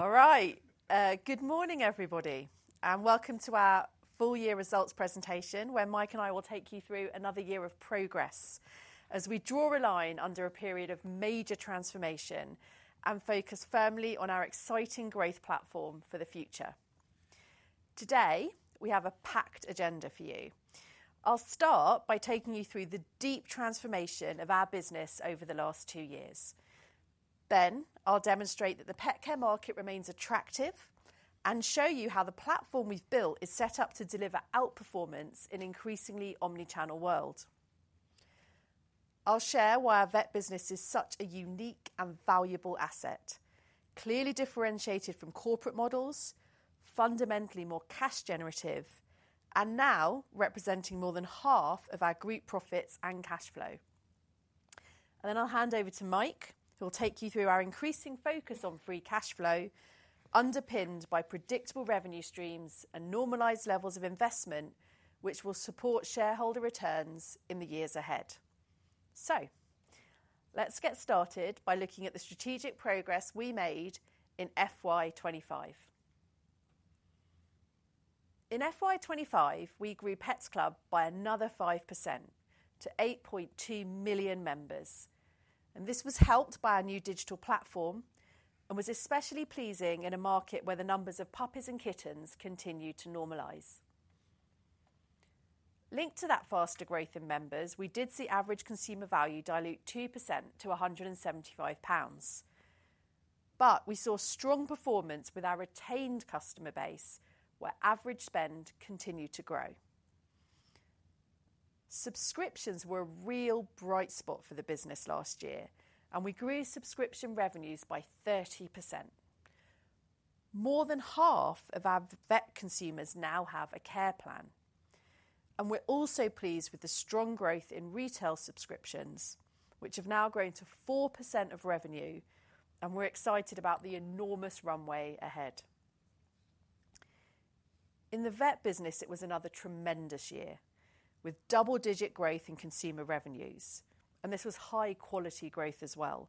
All right, good morning, everybody, and welcome to our full-year results presentation where Mike and I will take you through another year of progress as we draw a line under a period of major transformation and focus firmly on our exciting growth platform for the future. Today, we have a packed agenda for you. I'll start by taking you through the deep transformation of our business over the last two years. Then, I'll demonstrate that the pet care market remains attractive and show you how the platform we've built is set up to deliver outperformance in an increasingly omnichannel world. I'll share why our vet business is such a unique and valuable asset, clearly differentiated from corporate models, fundamentally more cash-generative, and now representing more than half of our group profits and cash flow. I will hand over to Mike, who will take you through our increasing focus on free cash flow, underpinned by predictable revenue streams and normalized levels of investment, which will support shareholder returns in the years ahead. Let's get started by looking at the strategic progress we made in FY 2025. In FY 2025, we grew Pets Club by another 5% to 8.2 million members. This was helped by our new digital platform and was especially pleasing in a market where the numbers of puppies and kittens continued to normalize. Linked to that faster growth in members, we did see average consumer value dilute 2% to 175 pounds. We saw strong performance with our retained customer base, where average spend continued to grow. Subscriptions were a real bright spot for the business last year, and we grew subscription revenues by 30%. More than half of our vet consumers now have a care plan. We are also pleased with the strong growth in retail subscriptions, which have now grown to 4% of revenue, and we are excited about the enormous runway ahead. In the vet business, it was another tremendous year, with double-digit growth in consumer revenues. This was high-quality growth as well,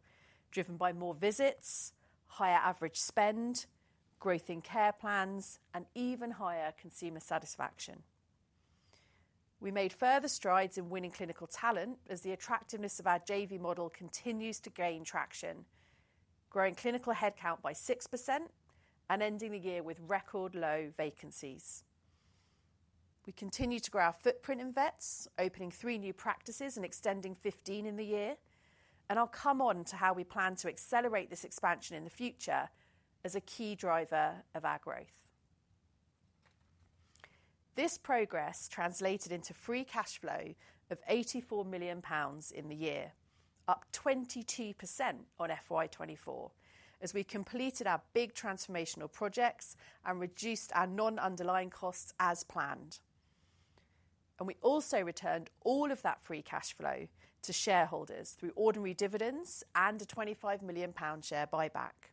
driven by more visits, higher average spend, growth in care plans, and even higher consumer satisfaction. We made further strides in winning clinical talent as the attractiveness of our JV model continues to gain traction, growing clinical headcount by 6% and ending the year with record-low vacancies. We continue to grow our footprint in vets, opening three new practices and extending 15 in the year. I will come on to how we plan to accelerate this expansion in the future as a key driver of our growth. This progress translated into 84 million pounds in the year, up 22% on FY 2024, as we completed our big transformational projects and reduced our non-underlying costs as planned. We also returned all of that free cash flow to shareholders through ordinary dividends and a 25 million pound share buyback.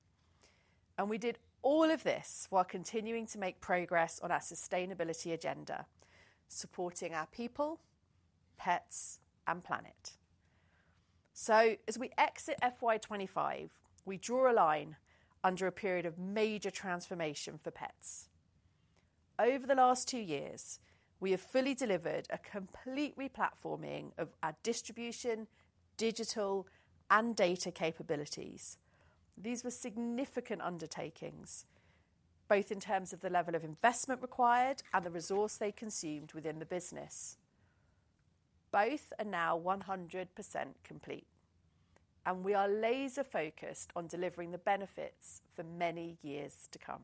We did all of this while continuing to make progress on our sustainability agenda, supporting our people, pets, and planet. As we exit FY 2025, we draw a line under a period of major transformation for Pets. Over the last two years, we have fully delivered a complete replatforming of our distribution, digital, and data capabilities. These were significant undertakings, both in terms of the level of investment required and the resource they consumed within the business. Both are now 100% complete, and we are laser-focused on delivering the benefits for many years to come.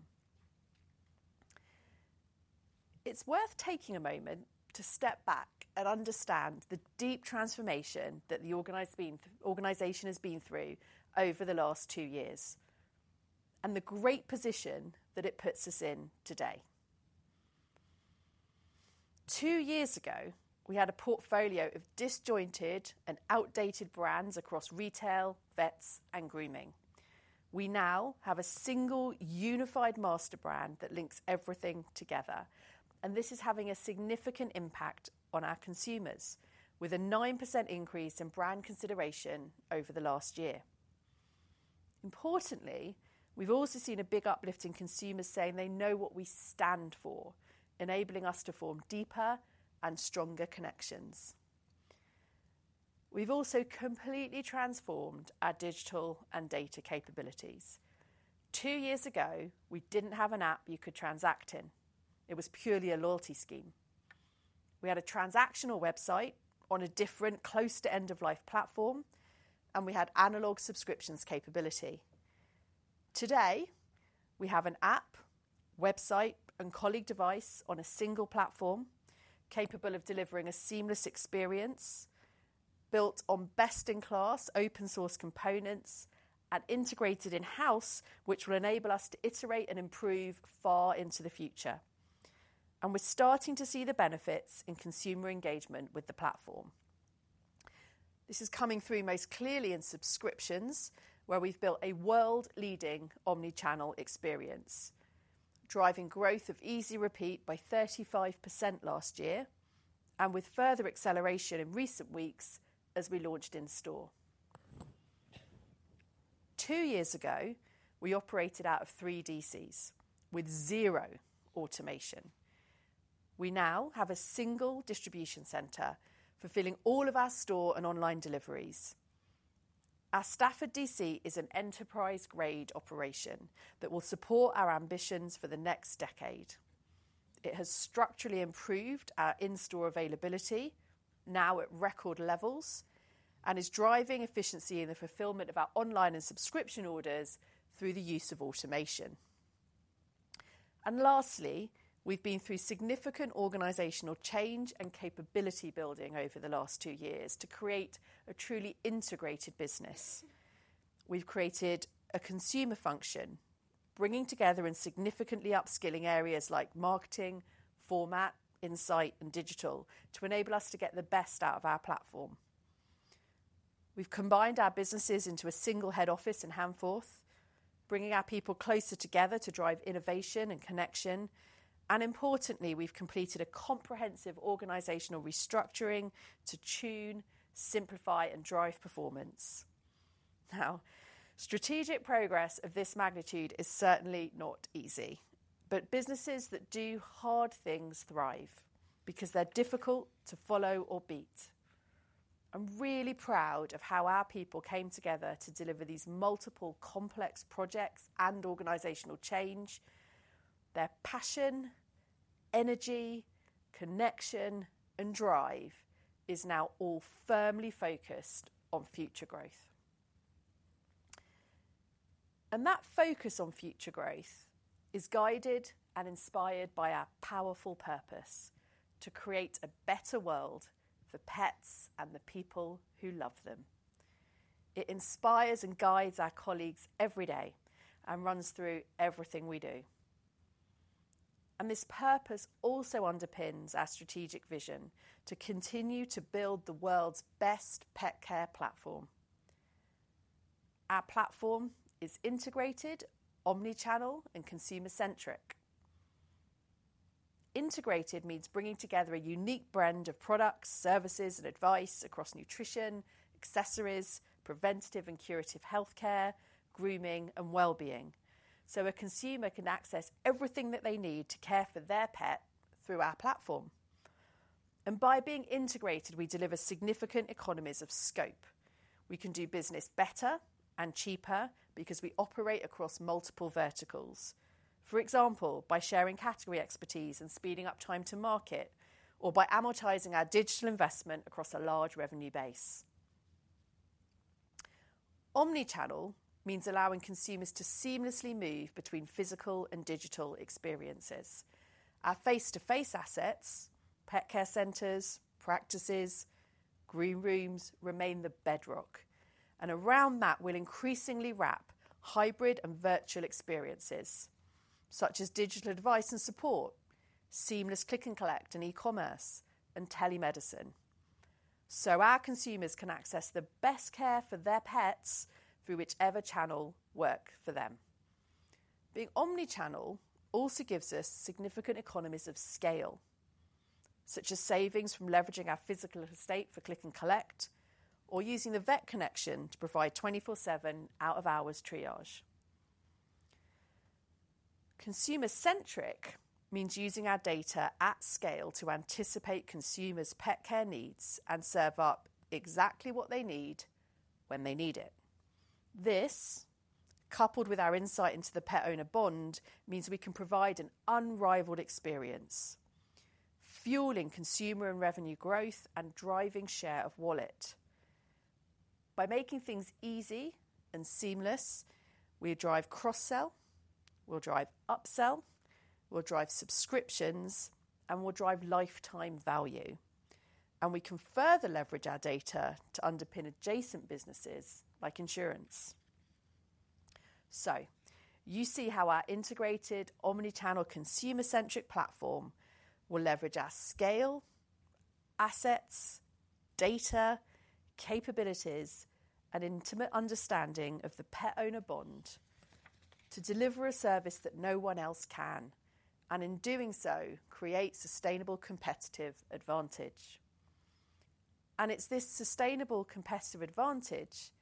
It's worth taking a moment to step back and understand the deep transformation that the organization has been through over the last two years and the great position that it puts us in today. Two years ago, we had a portfolio of disjointed and outdated brands across retail, vets, and grooming. We now have a single unified master brand that links everything together. This is having a significant impact on our consumers, with a 9% increase in brand consideration over the last year. Importantly, we've also seen a big uplift in consumers saying they know what we stand for, enabling us to form deeper and stronger connections. We've also completely transformed our digital and data capabilities. Two years ago, we didn't have an app you could transact in. It was purely a loyalty scheme. We had a transactional website on a different close-to-end-of-life platform, and we had analog subscriptions capability. Today, we have an app, website, and colleague device on a single platform capable of delivering a seamless experience built on best-in-class open-source components and integrated in-house, which will enable us to iterate and improve far into the future. We are starting to see the benefits in consumer engagement with the platform. This is coming through most clearly in subscriptions, where we have built a world-leading omnichannel experience, driving growth of Easy Repeat by 35% last year and with further acceleration in recent weeks as we launched in store. Two years ago, we operated out of three DCs with zero automation. We now have a single distribution center fulfilling all of our store and online deliveries. Our Stafford DC is an enterprise-grade operation that will support our ambitions for the next decade. It has structurally improved our in-store availability, now at record levels, and is driving efficiency in the fulfillment of our online and subscription orders through the use of automation. Lastly, we've been through significant organizational change and capability building over the last two years to create a truly integrated business. We've created a consumer function, bringing together and significantly upskilling areas like marketing, format, insight, and digital to enable us to get the best out of our platform. We've combined our businesses into a single head office in Hanford, bringing our people closer together to drive innovation and connection. Importantly, we've completed a comprehensive organizational restructuring to tune, simplify, and drive performance. Now, strategic progress of this magnitude is certainly not easy, but businesses that do hard things thrive because they're difficult to follow or beat. I'm really proud of how our people came together to deliver these multiple complex projects and organizational change. Their passion, energy, connection, and drive is now all firmly focused on future growth. That focus on future growth is guided and inspired by our powerful purpose to create a better world for pets and the people who love them. It inspires and guides our colleagues every day and runs through everything we do. This purpose also underpins our strategic vision to continue to build the world's best pet care platform. Our platform is integrated, omnichannel, and consumer-centric. Integrated means bringing together a unique brand of products, services, and advice across nutrition, accessories, preventative and curative healthcare, grooming, and well-being, so a consumer can access everything that they need to care for their pet through our platform. By being integrated, we deliver significant economies of scope. We can do business better and cheaper because we operate across multiple verticals, for example, by sharing category expertise and speeding up time to market, or by amortizing our digital investment across a large revenue base. Omnichannel means allowing consumers to seamlessly move between physical and digital experiences. Our face-to-face assets, pet care centers, practices, groom rooms remain the bedrock. Around that, we will increasingly wrap hybrid and virtual experiences such as digital advice and support, seamless click and collect and e-commerce and telemedicine, so our consumers can access the best care for their pets through whichever channel works for them. Being omnichannel also gives us significant economies of scale, such as savings from leveraging our physical estate for click and collect or using the vet connection to provide 24/7 out-of-hours triage. Consumer-centric means using our data at scale to anticipate consumers' pet care needs and serve up exactly what they need when they need it. This, coupled with our insight into the pet owner bond, means we can provide an unrivaled experience, fueling consumer and revenue growth and driving share of wallet. By making things easy and seamless, we will drive cross-sell, we will drive upsell, we will drive subscriptions, and we will drive lifetime value. We can further leverage our data to underpin adjacent businesses like insurance. You see how our integrated omnichannel consumer-centric platform will leverage our scale, assets, data, capabilities, and intimate understanding of the pet owner bond to deliver a service that no one else can, and in doing so, create sustainable competitive advantage. It is this sustainable competitive advantage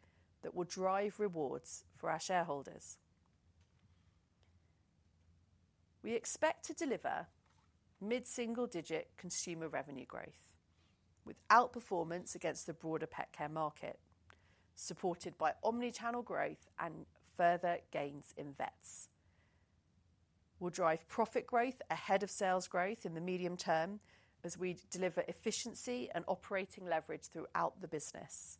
that will drive rewards for our shareholders. We expect to deliver mid-single-digit consumer revenue growth with outperformance against the broader pet care market, supported by omnichannel growth and further gains in vets. We will drive profit growth ahead of sales growth in the medium term as we deliver efficiency and operating leverage throughout the business.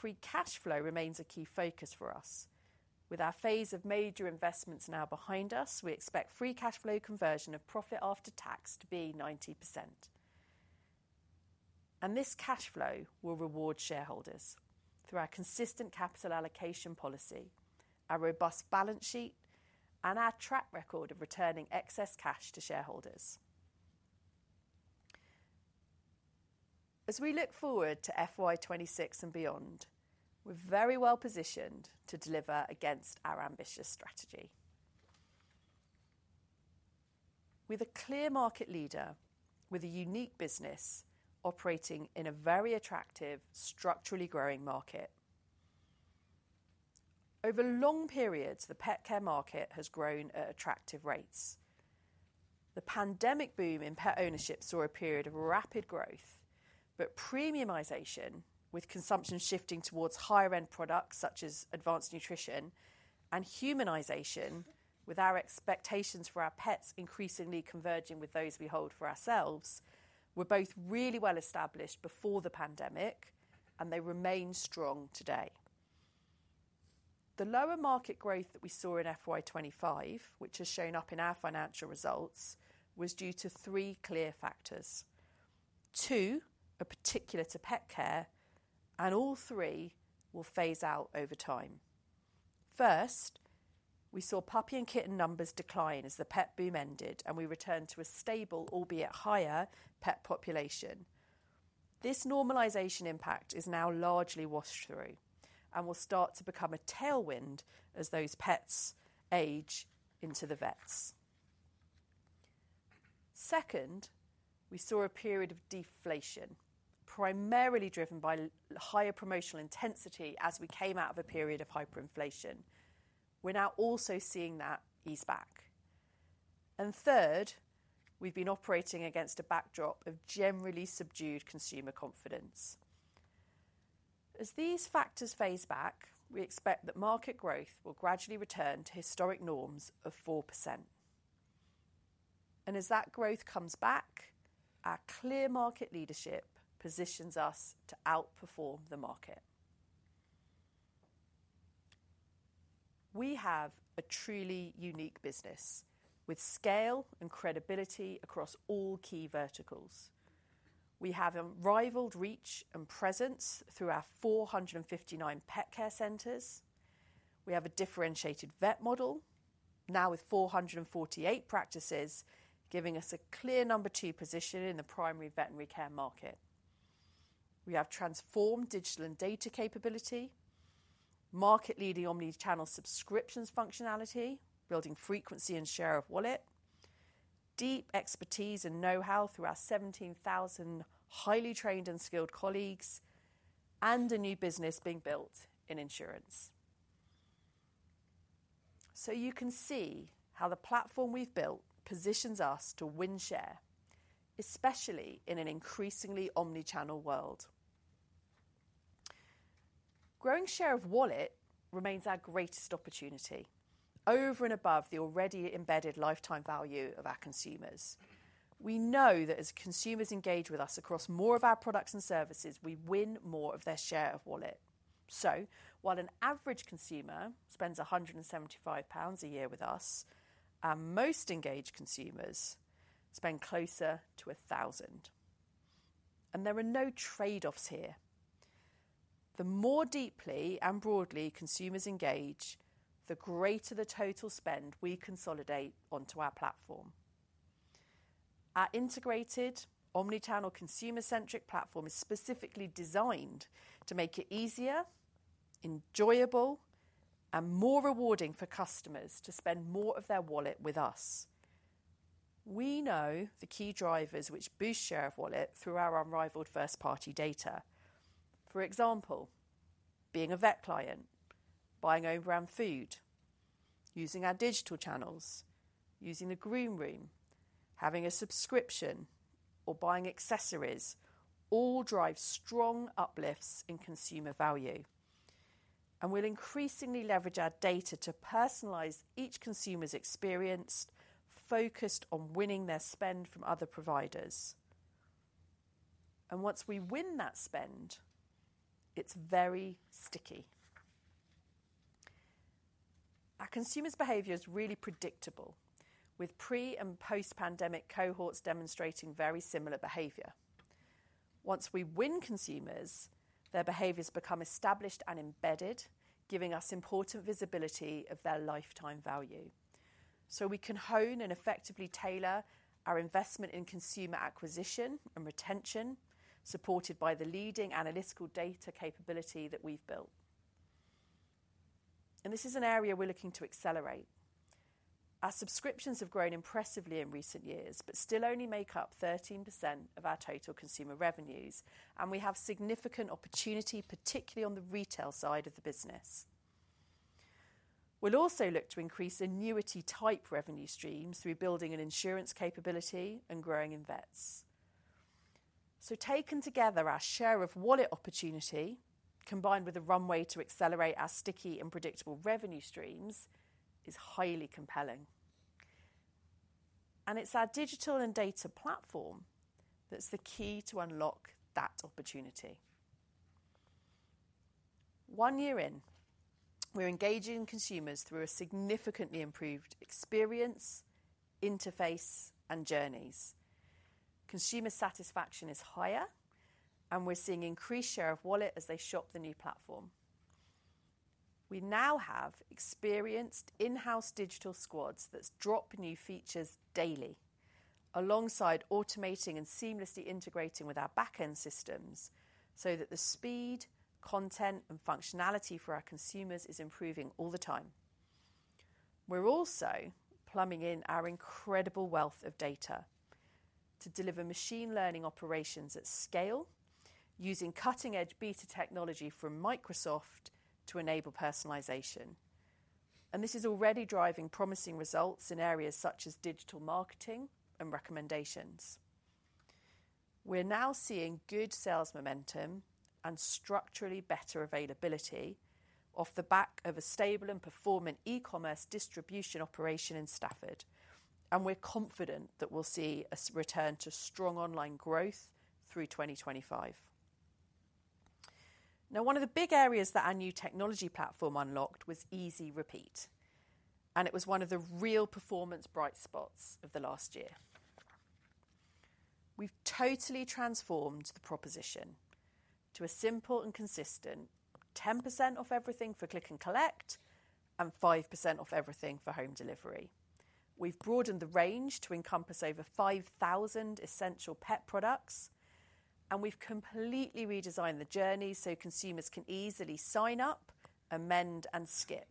Free cash flow remains a key focus for us. With our phase of major investments now behind us, we expect free cash flow conversion of profit after tax to be 90%. This cash flow will reward shareholders through our consistent capital allocation policy, our robust balance sheet, and our track record of returning excess cash to shareholders. As we look forward to FY 2026 and beyond, we are very well positioned to deliver against our ambitious strategy. We are the clear market leader with a unique business operating in a very attractive, structurally growing market. Over long periods, the pet care market has grown at attractive rates. The pandemic boom in pet ownership saw a period of rapid growth, but premiumization, with consumption shifting towards higher-end products such as advanced nutrition, and humanization, with our expectations for our pets increasingly converging with those we hold for ourselves, were both really well established before the pandemic, and they remain strong today. The lower market growth that we saw in FY 2025, which has shown up in our financial results, was due to three clear factors: two are particular to pet care, and all three will phase out over time. First, we saw puppy and kitten numbers decline as the pet boom ended, and we returned to a stable, albeit higher, pet population. This normalization impact is now largely washed through and will start to become a tailwind as those pets age into the vets. Second, we saw a period of deflation, primarily driven by higher promotional intensity as we came out of a period of hyperinflation. We are now also seeing that ease back. Third, we have been operating against a backdrop of generally subdued consumer confidence. As these factors phase back, we expect that market growth will gradually return to historic norms of 4%. As that growth comes back, our clear market leadership positions us to outperform the market. We have a truly unique business with scale and credibility across all key verticals. We have unrivaled reach and presence through our 459 Pet Care Centres. We have a differentiated vet model, now with 448 practices, giving us a clear number two position in the primary veterinary care market. We have transformed digital and data capability, market-leading omnichannel subscriptions functionality, building frequency and share of wallet, deep expertise and know-how through our 17,000 highly trained and skilled colleagues, and a new business being built in insurance. You can see how the platform we have built positions us to win share, especially in an increasingly omnichannel world. Growing share of wallet remains our greatest opportunity, over and above the already embedded lifetime value of our consumers. We know that as consumers engage with us across more of our products and services, we win more of their share of wallet. While an average consumer spends 175 pounds a year with us, our most engaged consumers spend closer to 1,000. There are no trade-offs here. The more deeply and broadly consumers engage, the greater the total spend we consolidate onto our platform. Our integrated omnichannel consumer-centric platform is specifically designed to make it easier, enjoyable, and more rewarding for customers to spend more of their wallet with us. We know the key drivers which boost share of wallet through our unrivaled first-party data. For example, being a vet client, buying own brand products food, using our digital channels, using the groom room, having a subscription, or buying accessories all drive strong uplifts in consumer value. We will increasingly leverage our data to personalize each consumer's experience, focused on winning their spend from other providers. Once we win that spend, it is very sticky. Our consumers' behavior is really predictable, with pre- and post-pandemic cohorts demonstrating very similar behavior. Once we win consumers, their behaviors become established and embedded, giving us important visibility of their lifetime value. We can hone and effectively tailor our investment in consumer acquisition and retention, supported by the leading analytical data capability that we have built. This is an area we are looking to accelerate. Our subscriptions have grown impressively in recent years, but still only make up 13% of our total consumer revenues, and we have significant opportunity, particularly on the retail side of the business. We will also look to increase annuity-type revenue streams through building an insurance capability and growing in vets. Taken together, our share of wallet opportunity, combined with a runway to accelerate our sticky and predictable revenue streams, is highly compelling. It is our digital and data platform that is the key to unlock that opportunity. One year in, we are engaging consumers through a significantly improved experience, interface, and journeys. Consumer satisfaction is higher, and we are seeing increased share of wallet as they shop the new platform. We now have experienced in-house digital squads that drop new features daily, alongside automating and seamlessly integrating with our backend systems so that the speed, content, and functionality for our consumers is improving all the time. We are also plumbing in our incredible wealth of data to deliver machine learning operations at scale, using cutting-edge beta technology from Microsoft to enable personalization. This is already driving promising results in areas such as digital marketing and recommendations. We are now seeing good sales momentum and structurally better availability off the back of a stable and performant e-commerce distribution operation in Stafford, and we are confident that we will see a return to strong online growth through 2025. Now, one of the big areas that our new technology platform unlocked was Easy Repeat, and it was one of the real performance bright spots of the last year. We've totally transformed the proposition to a simple and consistent 10% off everything for click and collect and 5% off everything for home delivery. We've broadened the range to encompass over 5,000 essential pet products, and we've completely redesigned the journey so consumers can easily sign up, amend, and skip.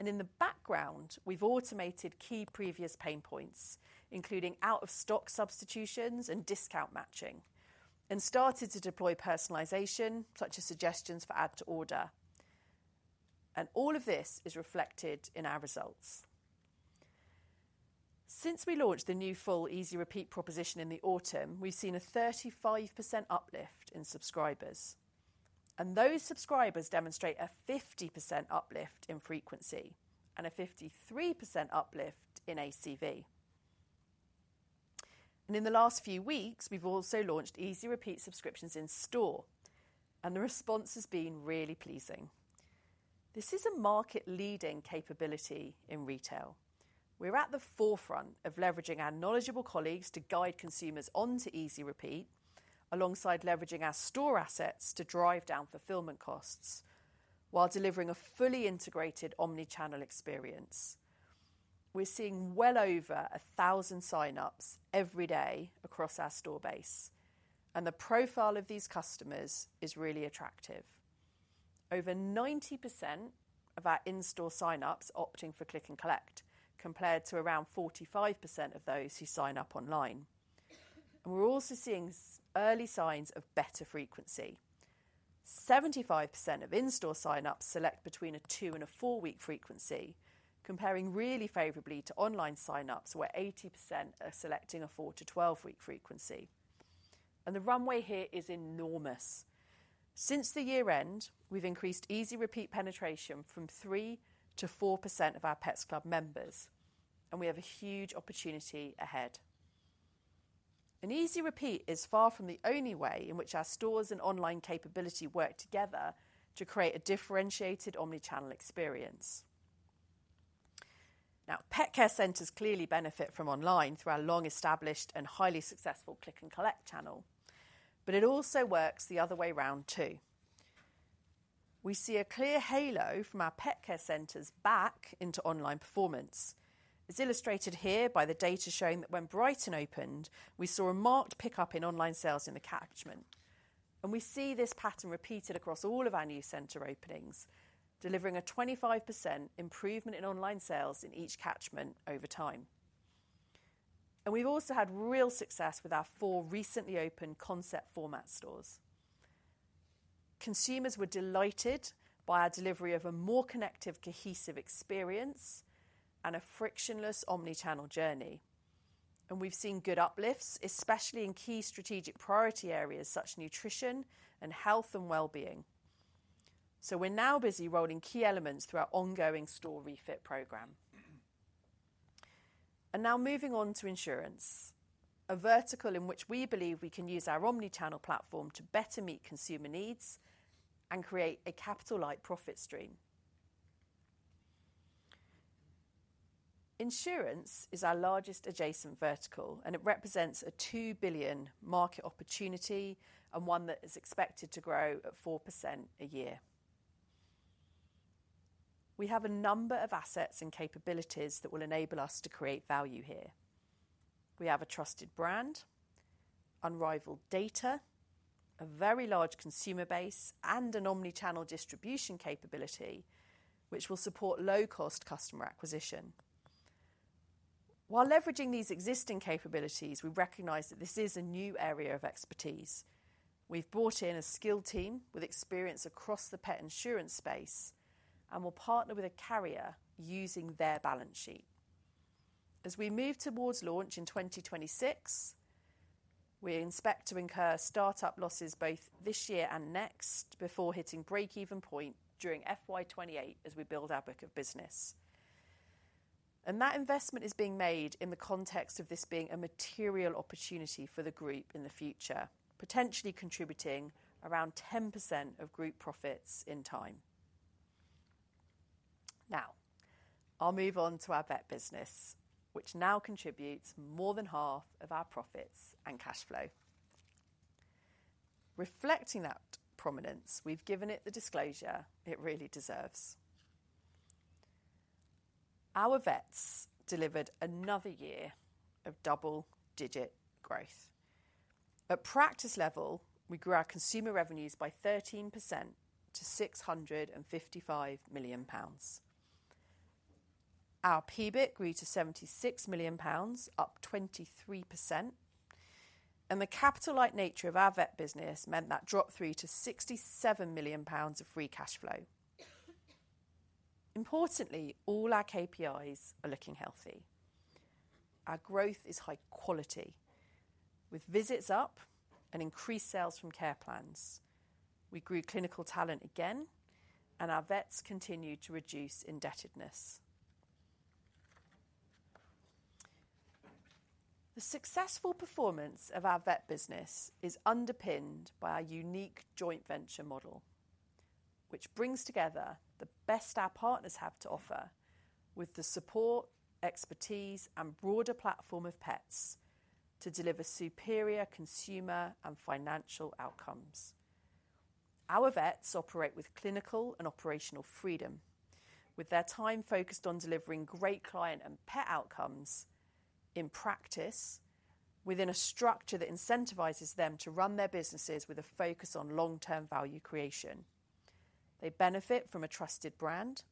In the background, we've automated key previous pain points, including out-of-stock substitutions and discount matching, and started to deploy personalization such as suggestions for add-to-order. All of this is reflected in our results. Since we launched the new full Easy Repeat proposition in the autumn, we've seen a 35% uplift in subscribers. Those subscribers demonstrate a 50% uplift in frequency and a 53% uplift in ACV. In the last few weeks, we've also launched Easy Repeat subscriptions in store, and the response has been really pleasing. This is a market-leading capability in retail. We're at the forefront of leveraging our knowledgeable colleagues to guide consumers onto Easy Repeat, alongside leveraging our store assets to drive down fulfillment costs while delivering a fully integrated omnichannel experience. We're seeing well over 1,000 sign-ups every day across our store base, and the profile of these customers is really attractive. Over 90% of our in-store sign-ups opting for click and collect, compared to around 45% of those who sign up online. We're also seeing early signs of better frequency. 75% of in-store sign-ups select between a two- and a four-week frequency, comparing really favorably to online sign-ups where 80% are selecting a 4-12 week frequency. The runway here is enormous. Since the year-end, we've increased Easy Repeat penetration from 3% to 4% of our Pets Club members, and we have a huge opportunity ahead. Easy Repeat is far from the only way in which our stores and online capability work together to create a differentiated omnichannel experience. Now, pet care centers clearly benefit from online through our long-established and highly successful click and collect channel. It also works the other way around too. We see a clear halo from our pet care centers back into online performance, as illustrated here by the data showing that when Brighton opened, we saw a marked pickup in online sales in the catchment. We see this pattern repeated across all of our new center openings, delivering a 25% improvement in online sales in each catchment over time. We have also had real success with our four recently opened concept format stores. Consumers were delighted by our delivery of a more connective, cohesive experience and a frictionless omnichannel journey. We have seen good uplifts, especially in key strategic priority areas such as nutrition and health and well-being. We are now busy rolling key elements through our ongoing store refit program. Now moving on to insurance, a vertical in which we believe we can use our omnichannel platform to better meet consumer needs and create a capital-like profit stream. Insurance is our largest adjacent vertical, and it represents a 2 billion market opportunity and one that is expected to grow at 4% a year. We have a number of assets and capabilities that will enable us to create value here. We have a trusted brand, unrivaled data, a very large consumer base, and an omnichannel distribution capability, which will support low-cost customer acquisition. While leveraging these existing capabilities, we recognize that this is a new area of expertise. We've brought in a skilled team with experience across the pet insurance space, and we'll partner with a carrier using their balance sheet. As we move towards launch in 2026, we expect to incur startup losses both this year and next before hitting break-even point during FY 2028 as we build our book of business. That investment is being made in the context of this being a material opportunity for the group in the future, potentially contributing around 10% of group profits in time. Now, I'll move on to our vet business, which now contributes more than half of our profits and cash flow. Reflecting that prominence, we've given it the disclosure it really deserves. Our vets delivered another year of double-digit growth. At practice level, we grew our consumer revenues by 13% to 655 million pounds. Our PBT grew to 76 million pounds, up 23%, and the capital-like nature of our vet business meant that dropped through to 67 million pounds of free cash flow. Importantly, all our KPIs are looking healthy. Our growth is high quality, with visits up and increased sales from Care Plans. We grew clinical talent again, and our vets continue to reduce indebtedness. The successful performance of our vet business is underpinned by our unique joint venture model, which brings together the best our partners have to offer with the support, expertise, and broader platform of Pets to deliver superior consumer and financial outcomes. Our vets operate with clinical and operational freedom, with their time focused on delivering great client and pet outcomes in practice within a structure that incentivizes them to run their businesses with a focus on long-term value creation. They benefit from a trusted brand,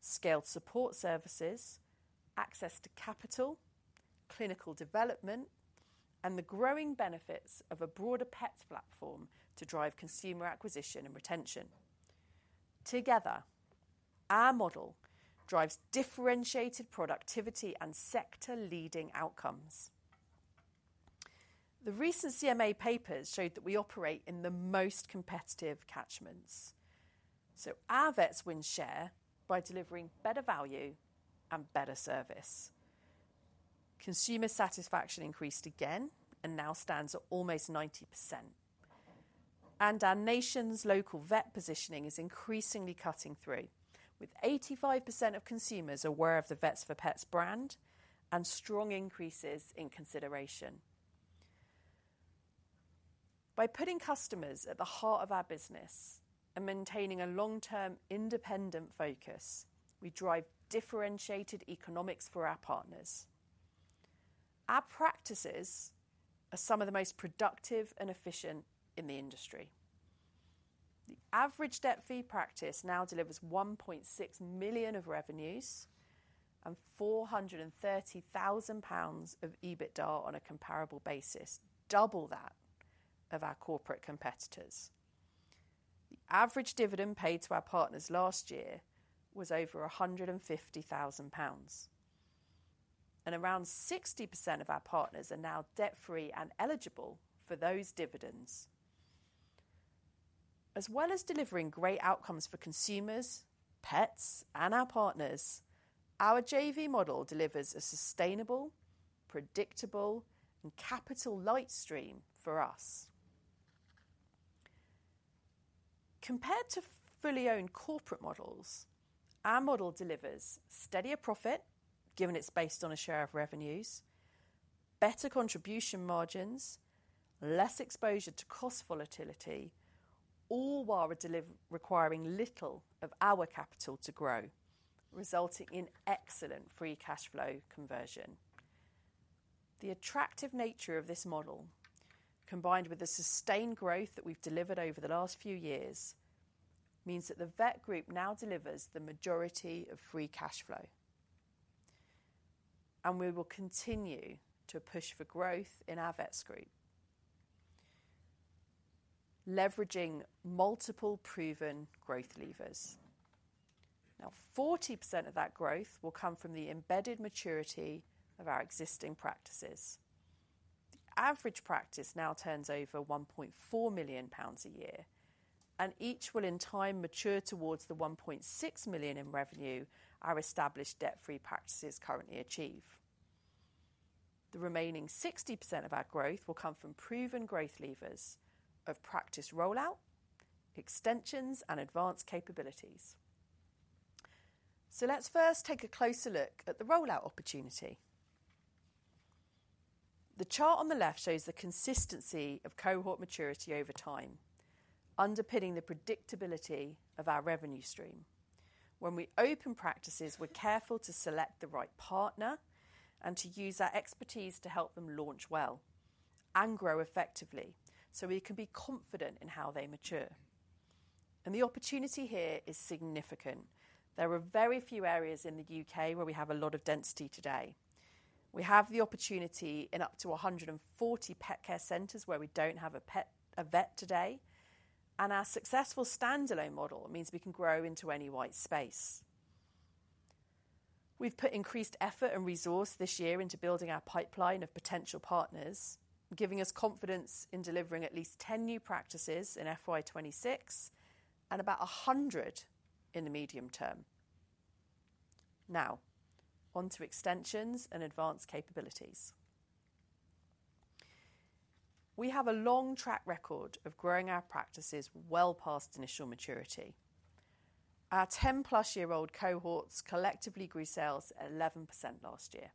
scaled support services, access to capital, clinical development, and the growing benefits of a broader pets platform to drive consumer acquisition and retention. Together, our model drives differentiated productivity and sector-leading outcomes. The recent CMA papers showed that we operate in the most competitive catchments. Our vets win share by delivering better value and better service. Consumer satisfaction increased again and now stands at almost 90%. Our nation's local vet positioning is increasingly cutting through, with 85% of consumers aware of the Vets for Pets brand and strong increases in consideration. By putting customers at the heart of our business and maintaining a long-term independent focus, we drive differentiated economics for our partners. Our practices are some of the most productive and efficient in the industry. The average debt-free practice now delivers 1.6 million of revenues and 430,000 pounds of EBITDA on a comparable basis, double that of our corporate competitors. The average dividend paid to our partners last year was over 150,000 pounds. Around 60% of our partners are now debt-free and eligible for those dividends. As well as delivering great outcomes for consumers, pets, and our partners, our JV model delivers a sustainable, predictable, and capital-light stream for us. Compared to fully owned corporate models, our model delivers steadier profit, given it's based on a share of revenues, better contribution margins, less exposure to cost volatility, all while requiring little of our capital to grow, resulting in excellent free cash flow conversion. The attractive nature of this model, combined with the sustained growth that we've delivered over the last few years, means that the vet group now delivers the majority of free cash flow. We will continue to push for growth in our vets group, leveraging multiple proven growth levers. Now, 40% of that growth will come from the embedded maturity of our existing practices. The average practice now turns over 1.4 million pounds a year, and each will in time mature towards the 1.6 million in revenue our established debt-free practices currently achieve. The remaining 60% of our growth will come from proven growth levers of practice rollout, extensions, and advanced capabilities. Let's first take a closer look at the rollout opportunity. The chart on the left shows the consistency of cohort maturity over time, underpinning the predictability of our revenue stream. When we open practices, we're careful to select the right partner and to use our expertise to help them launch well and grow effectively so we can be confident in how they mature. The opportunity here is significant. There are very few areas in the U.K. where we have a lot of density today. We have the opportunity in up to 140 Pet Care Centres where we do not have a vet today. Our successful standalone model means we can grow into any white space. We have put increased effort and resource this year into building our pipeline of potential partners, giving us confidence in delivering at least 10 new practices in FY 2026 and about 100 in the medium term. Now, on to extensions and advanced capabilities. We have a long track record of growing our practices well past initial maturity. Our 10-plus-year-old cohorts collectively grew sales at 11% last year.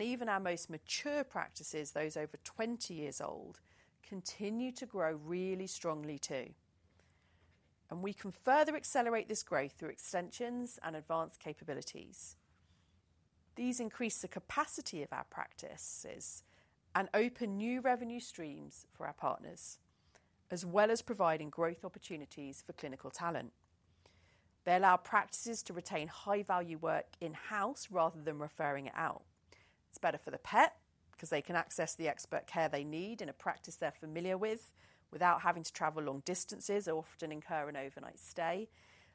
Even our most mature practices, those over 20 years old, continue to grow really strongly too. We can further accelerate this growth through extensions and advanced capabilities. These increase the capacity of our practices and open new revenue streams for our partners, as well as providing growth opportunities for clinical talent. They allow practices to retain high-value work in-house rather than referring it out. It is better for the pet because they can access the expert care they need in a practice they are familiar with without having to travel long distances, often incur an overnight stay.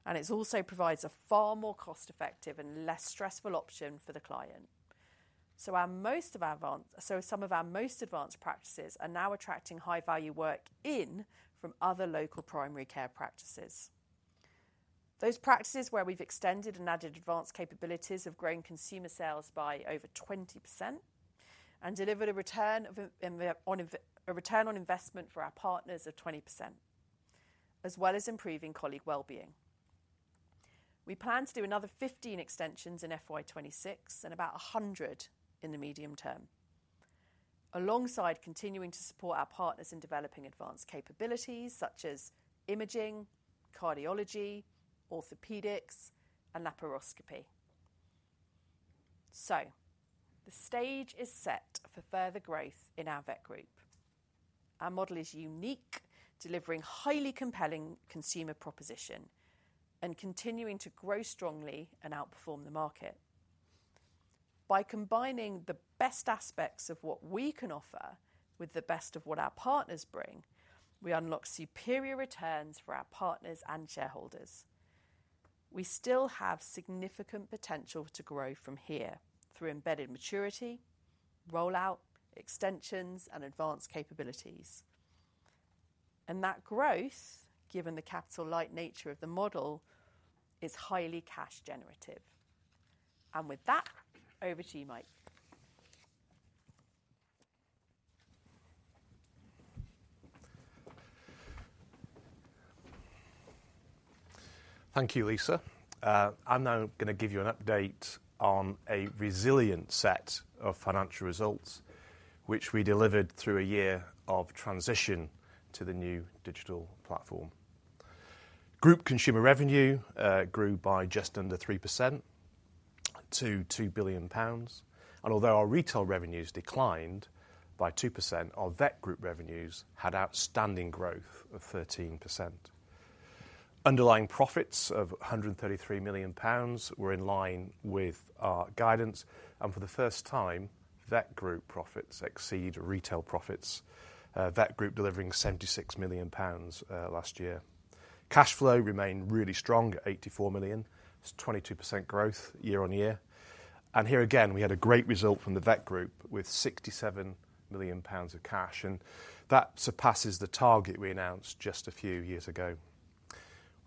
It also provides a far more cost-effective and less stressful option for the client. Some of our most advanced practices are now attracting high-value work in from other local primary care practices. Those practices where we have extended and added advanced capabilities have grown consumer sales by over 20% and delivered a return on investment for our partners of 20%, as well as improving colleague well-being. We plan to do another 15 extensions in FY 2026 and about 100 in the medium term, alongside continuing to support our partners in developing advanced capabilities such as imaging, cardiology, orthopedics, and laparoscopy. The stage is set for further growth in our vet group. Our model is unique, delivering a highly compelling consumer proposition and continuing to grow strongly and outperform the market. By combining the best aspects of what we can offer with the best of what our partners bring, we unlock superior returns for our partners and shareholders. We still have significant potential to grow from here through embedded maturity, rollout, extensions, and advanced capabilities. That growth, given the capital-light nature of the model, is highly cash-generative. With that, over to you, Mike. Thank you, Lyssa. I'm now going to give you an update on a resilient set of financial results, which we delivered through a year of transition to the new digital platform. Group consumer revenue grew by just under 3% to 2 billion pounds. Although our retail revenues declined by 2%, our vet group revenues had outstanding growth of 13%. Underlying profits of 133 million pounds were in line with our guidance. For the first time, vet group profits exceed retail profits. Vet group delivering 76 million pounds last year. Cash flow remained really strong at 84 million. It's 22% growth year on year. Here again, we had a great result from the vet group with 67 million pounds of cash. That surpasses the target we announced just a few years ago.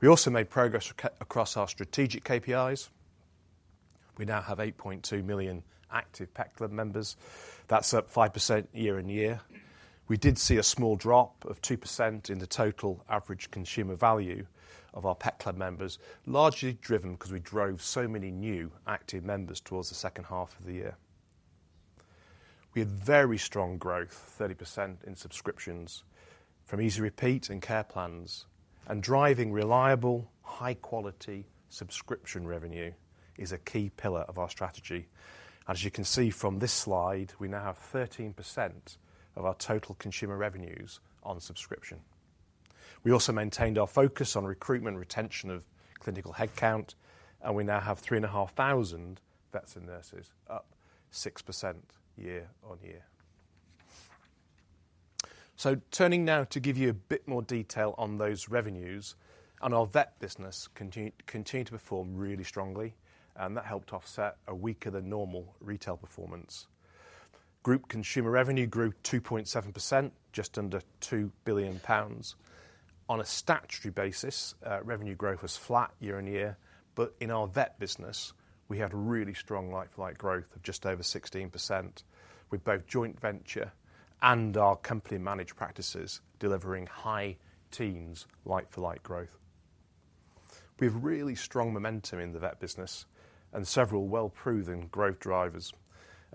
We also made progress across our strategic KPIs. We now have 8.2 million active Pets Club members. That's up 5% year on year. We did see a small drop of 2% in the total average consumer value of our Pets Club members, largely driven because we drove so many new active members towards the second half of the year. We had very strong growth, 30% in subscriptions from Easy Repeat and Care Plans. Driving reliable, high-quality subscription revenue is a key pillar of our strategy. As you can see from this slide, we now have 13% of our total consumer revenues on subscription. We also maintained our focus on recruitment and retention of clinical headcount. We now have 3,500 vets and nurses, up 6% year on year. Turning now to give you a bit more detail on those revenues, our vet business continued to perform really strongly. That helped offset a weaker-than-normal retail performance. Group consumer revenue grew 2.7%, just under 2 billion pounds. On a statutory basis, revenue growth was flat year on year. In our vet business, we had really strong like-for-like growth of just over 16% with both joint venture and our company-managed practices delivering high teens like-for-like growth. We have really strong momentum in the vet business and several well-proven growth drivers.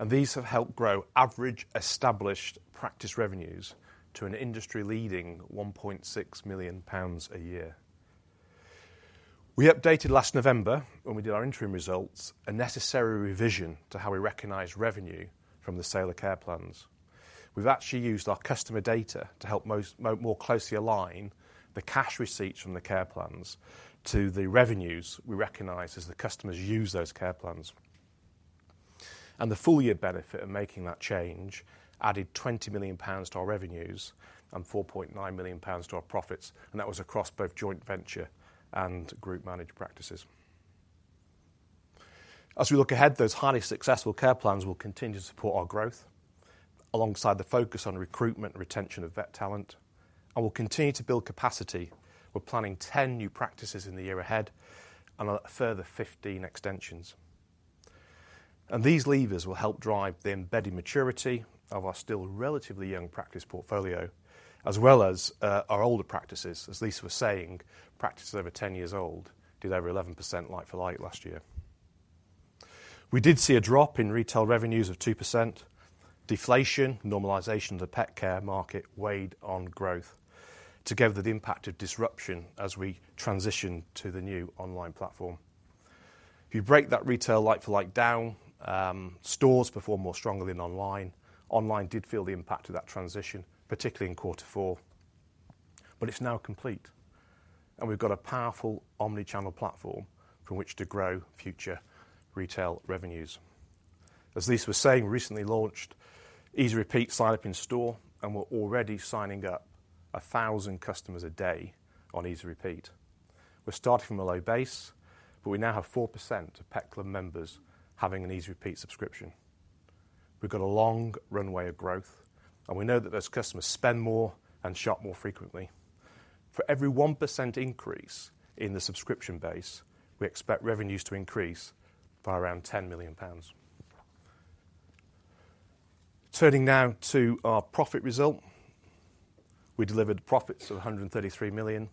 These have helped grow average established practice revenues to an industry-leading 1.6 million pounds a year. We updated last November, when we did our interim results, a necessary revision to how we recognize revenue from the sale of Care Plans. We've actually used our customer data to help more closely align the cash receipts from the Care Plans to the revenues we recognize as the customers use those Care Plans. The full-year benefit of making that change added 20 million pounds to our revenues and 4.9 million pounds to our profits. That was across both joint venture and group-managed practices. As we look ahead, those highly successful care plans will continue to support our growth alongside the focus on recruitment and retention of vet talent. We will continue to build capacity. We are planning 10 new practices in the year ahead and a further 15 extensions. These levers will help drive the embedded maturity of our still relatively young practice portfolio, as well as our older practices. As Lyssa was saying, practices over 10 years old did over 11% like-for-like last year. We did see a drop in retail revenues of 2%. Deflation, normalization of the pet care market weighed on growth, together with the impact of disruption as we transitioned to the new online platform. If you break that retail like-for-like down, stores perform more strongly than online. Online did feel the impact of that transition, particularly in Q4. It is now complete. We have a powerful omnichannel platform from which to grow future retail revenues. As Lyssa was saying, we recently launched Easy Repeat sign-up in store. We are already signing up 1,000 customers a day on Easy Repeat. We are starting from a low base, but we now have 4% of Pets Club members having an Easy Repeat subscription. We have a long runway of growth. We know that those customers spend more and shop more frequently. For every 1% increase in the subscription base, we expect revenues to increase by around 10 million pounds. Turning now to our profit result, we delivered profits of 133 million.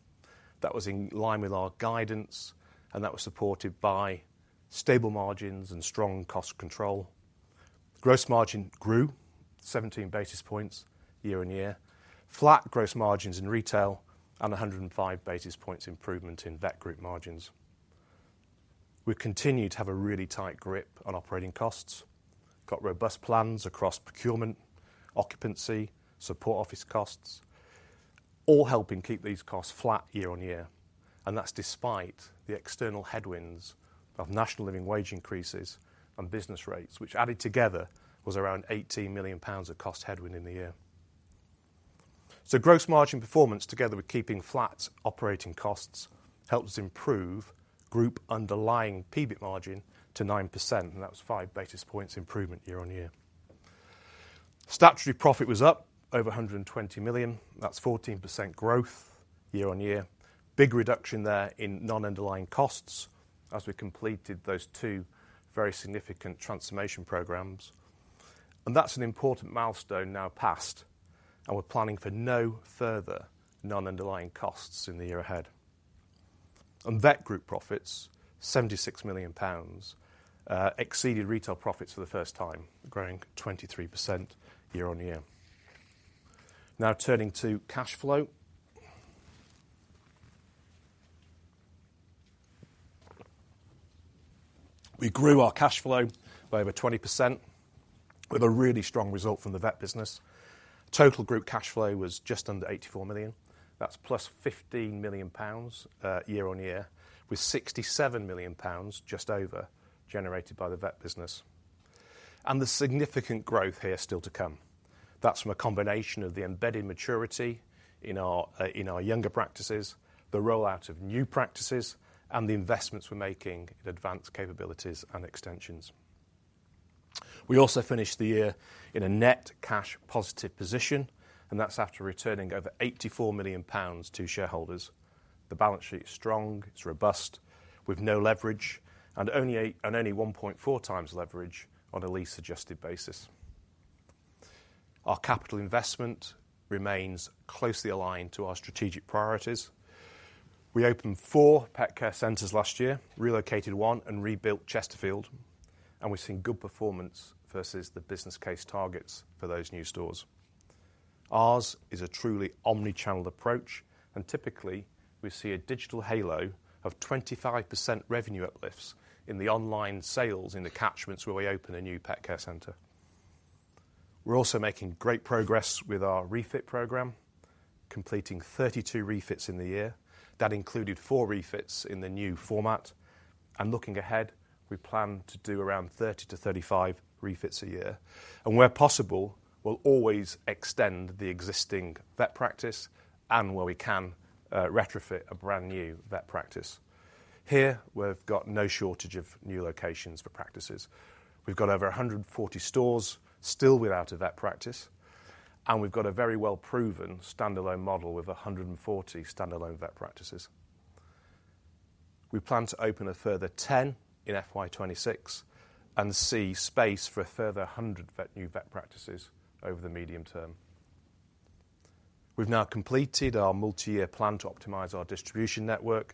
That was in line with our guidance. That was supported by stable margins and strong cost control. Gross margin grew 17 basis points year on year, flat gross margins in retail, and 105 basis points improvement in vet group margins. We continue to have a really tight grip on operating costs, got robust plans across procurement, occupancy, support office costs, all helping keep these costs flat year on year. That is despite the external headwinds of national living wage increases and business rates, which added together was around 18 million pounds of cost headwind in the year. Gross margin performance, together with keeping flat operating costs, helped us improve group underlying PBT margin to 9%. That was a 5 basis points improvement year on year. Statutory profit was up over 120 million. That is 14% growth year on year. Big reduction there in non-underlying costs as we completed those two very significant transformation programs. That is an important milestone now past. We are planning for no further non-underlying costs in the year ahead. Vet group profits, 76 million pounds, exceeded retail profits for the first time, growing 23% year on year. Now turning to cash flow. We grew our cash flow by over 20% with a really strong result from the vet business. Total group cash flow was just under 84 million. That is plus 15 million pounds year on year, with just over GBP 67 million generated by the vet business. The significant growth here is still to come. That is from a combination of the embedded maturity in our younger practices, the rollout of new practices, and the investments we are making in advanced capabilities and extensions. We also finished the year in a net cash-positive position. That is after returning over 84 million pounds to shareholders. The balance sheet is strong. It is robust with no leverage and only 1.4 times leverage on a lease-adjusted basis. Our capital investment remains closely aligned to our strategic priorities. We opened four pet care centers last year, relocated one, and rebuilt Chesterfield. We have seen good performance versus the business case targets for those new stores. Ours is a truly omnichannel approach. Typically, we see a digital halo of 25% revenue uplifts in the online sales in the catchments where we open a new pet care center. We are also making great progress with our refit program, completing 32 refits in the year. That included four refits in the new format. Looking ahead, we plan to do around 30-35 refits a year. Where possible, we will always extend the existing vet practice and where we can retrofit a brand new vet practice. Here, we have no shortage of new locations for practices. We have over 140 stores still without a vet practice. We have a very well-proven standalone model with 140 standalone vet practices. We plan to open a further 10 in FY 2026 and see space for a further 100 new vet practices over the medium term. We've now completed our multi-year plan to optimize our distribution network.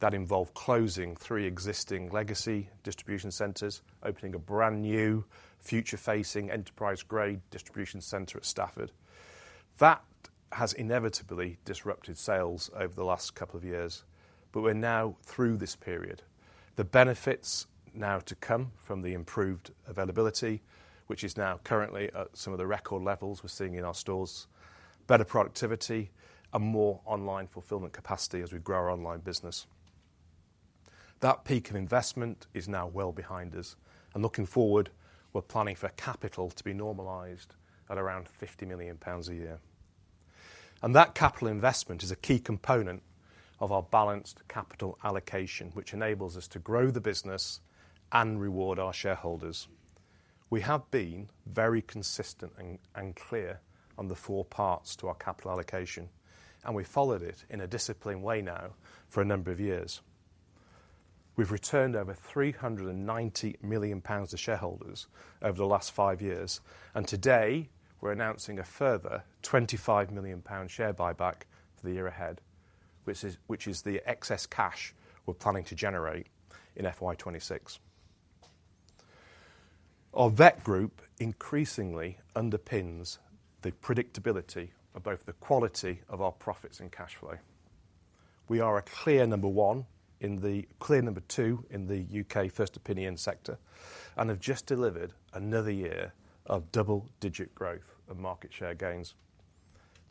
That involved closing three existing legacy distribution centers, opening a brand new future-facing enterprise-grade distribution center at Stafford. That has inevitably disrupted sales over the last couple of years. We are now through this period. The benefits now to come from the improved availability, which is now currently at some of the record levels we're seeing in our stores, better productivity, and more online fulfillment capacity as we grow our online business. That peak of investment is now well behind us. Looking forward, we're planning for capital to be normalized at around 50 million pounds a year. That capital investment is a key component of our balanced capital allocation, which enables us to grow the business and reward our shareholders. We have been very consistent and clear on the four parts to our capital allocation. We have followed it in a disciplined way now for a number of years. We have returned over 390 million pounds to shareholders over the last five years. Today, we are announcing a further 25 million pound share buyback for the year ahead, which is the excess cash we are planning to generate in FY 2026. Our vet group increasingly underpins the predictability of both the quality of our profits and cash flow. We are a clear number one and the clear number two in the U.K. first opinion sector and have just delivered another year of double-digit growth and market share gains.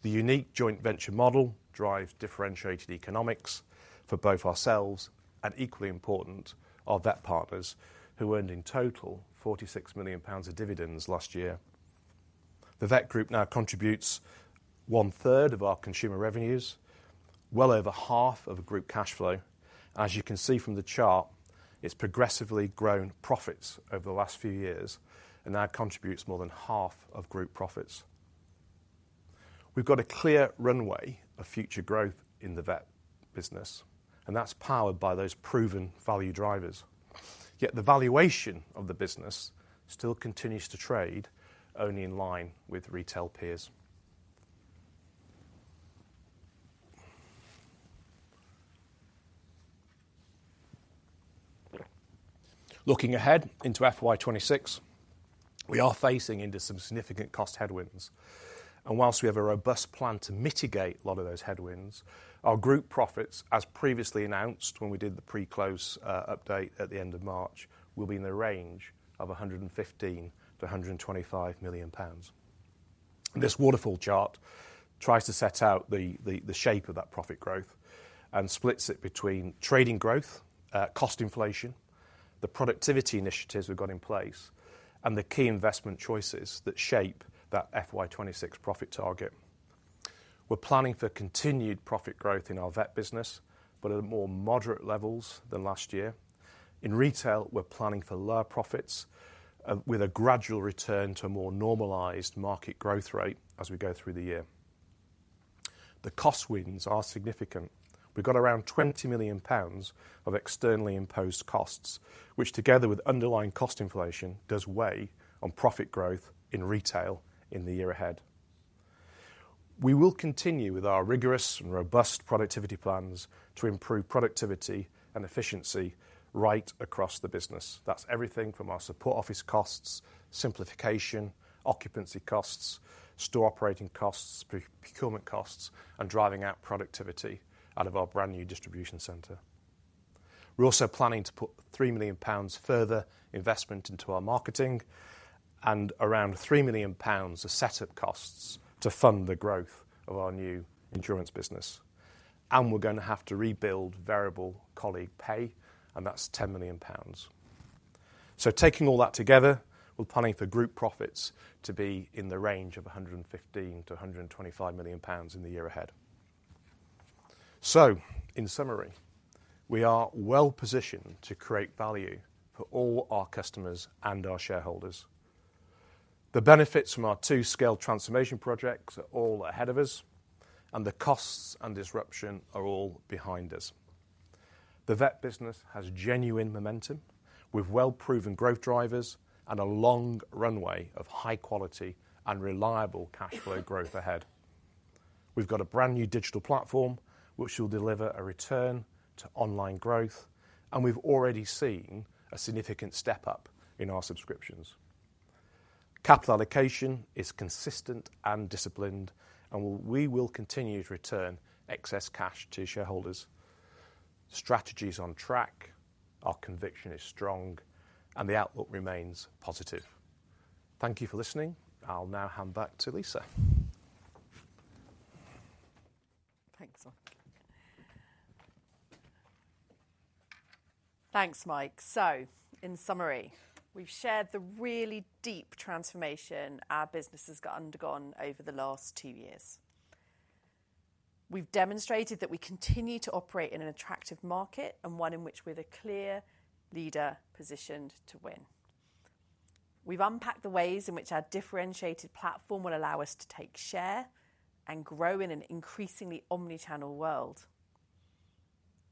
The unique joint venture model drives differentiated economics for both ourselves and, equally important, our vet partners, who earned in total 46 million pounds of dividends last year. The vet group now contributes one-third of our consumer revenues, well over half of group cash flow. As you can see from the chart, it has progressively grown profits over the last few years and now contributes more than half of group profits. We have got a clear runway of future growth in the vet business. That is powered by those proven value drivers. Yet the valuation of the business still continues to trade only in line with retail peers. Looking ahead into FY 2026, we are facing into some significant cost headwinds. Whilst we have a robust plan to mitigate a lot of those headwinds, our group profits, as previously announced when we did the pre-close update at the end of March, will be in the range of 115 million-125 million pounds. This waterfall chart tries to set out the shape of that profit growth and splits it between trading growth, cost inflation, the productivity initiatives we have in place, and the key investment choices that shape that FY 2026 profit target. We are planning for continued profit growth in our vet business, but at more moderate levels than last year. In retail, we are planning for lower profits with a gradual return to a more normalized market growth rate as we go through the year. The cost wins are significant. We've got around 20 million pounds of externally imposed costs, which together with underlying cost inflation does weigh on profit growth in retail in the year ahead. We will continue with our rigorous and robust productivity plans to improve productivity and efficiency right across the business. That's everything from our support office costs, simplification, occupancy costs, store operating costs, procurement costs, and driving out productivity out of our brand new distribution center. We're also planning to put 3 million pounds further investment into our marketing and around 3 million pounds of setup costs to fund the growth of our new insurance business. We're going to have to rebuild variable colleague pay. That's 10 million pounds. Taking all that together, we're planning for group profits to be in the range of 115 million-125 million pounds in the year ahead. In summary, we are well-positioned to create value for all our customers and our shareholders. The benefits from our two scale transformation projects are all ahead of us. The costs and disruption are all behind us. The vet business has genuine momentum with well-proven growth drivers and a long runway of high-quality and reliable cash flow growth ahead. We have got a brand new digital platform, which will deliver a return to online growth. We have already seen a significant step up in our subscriptions. Capital allocation is consistent and disciplined. We will continue to return excess cash to shareholders. Strategy is on track. Our conviction is strong. The outlook remains positive. Thank you for listening. I will now hand back to Lyssa. Thanks, Mike. In summary, we have shared the really deep transformation our business has undergone over the last two years. have demonstrated that we continue to operate in an attractive market and one in which we are the clear leader positioned to win. We have unpacked the ways in which our differentiated platform will allow us to take share and grow in an increasingly omnichannel world.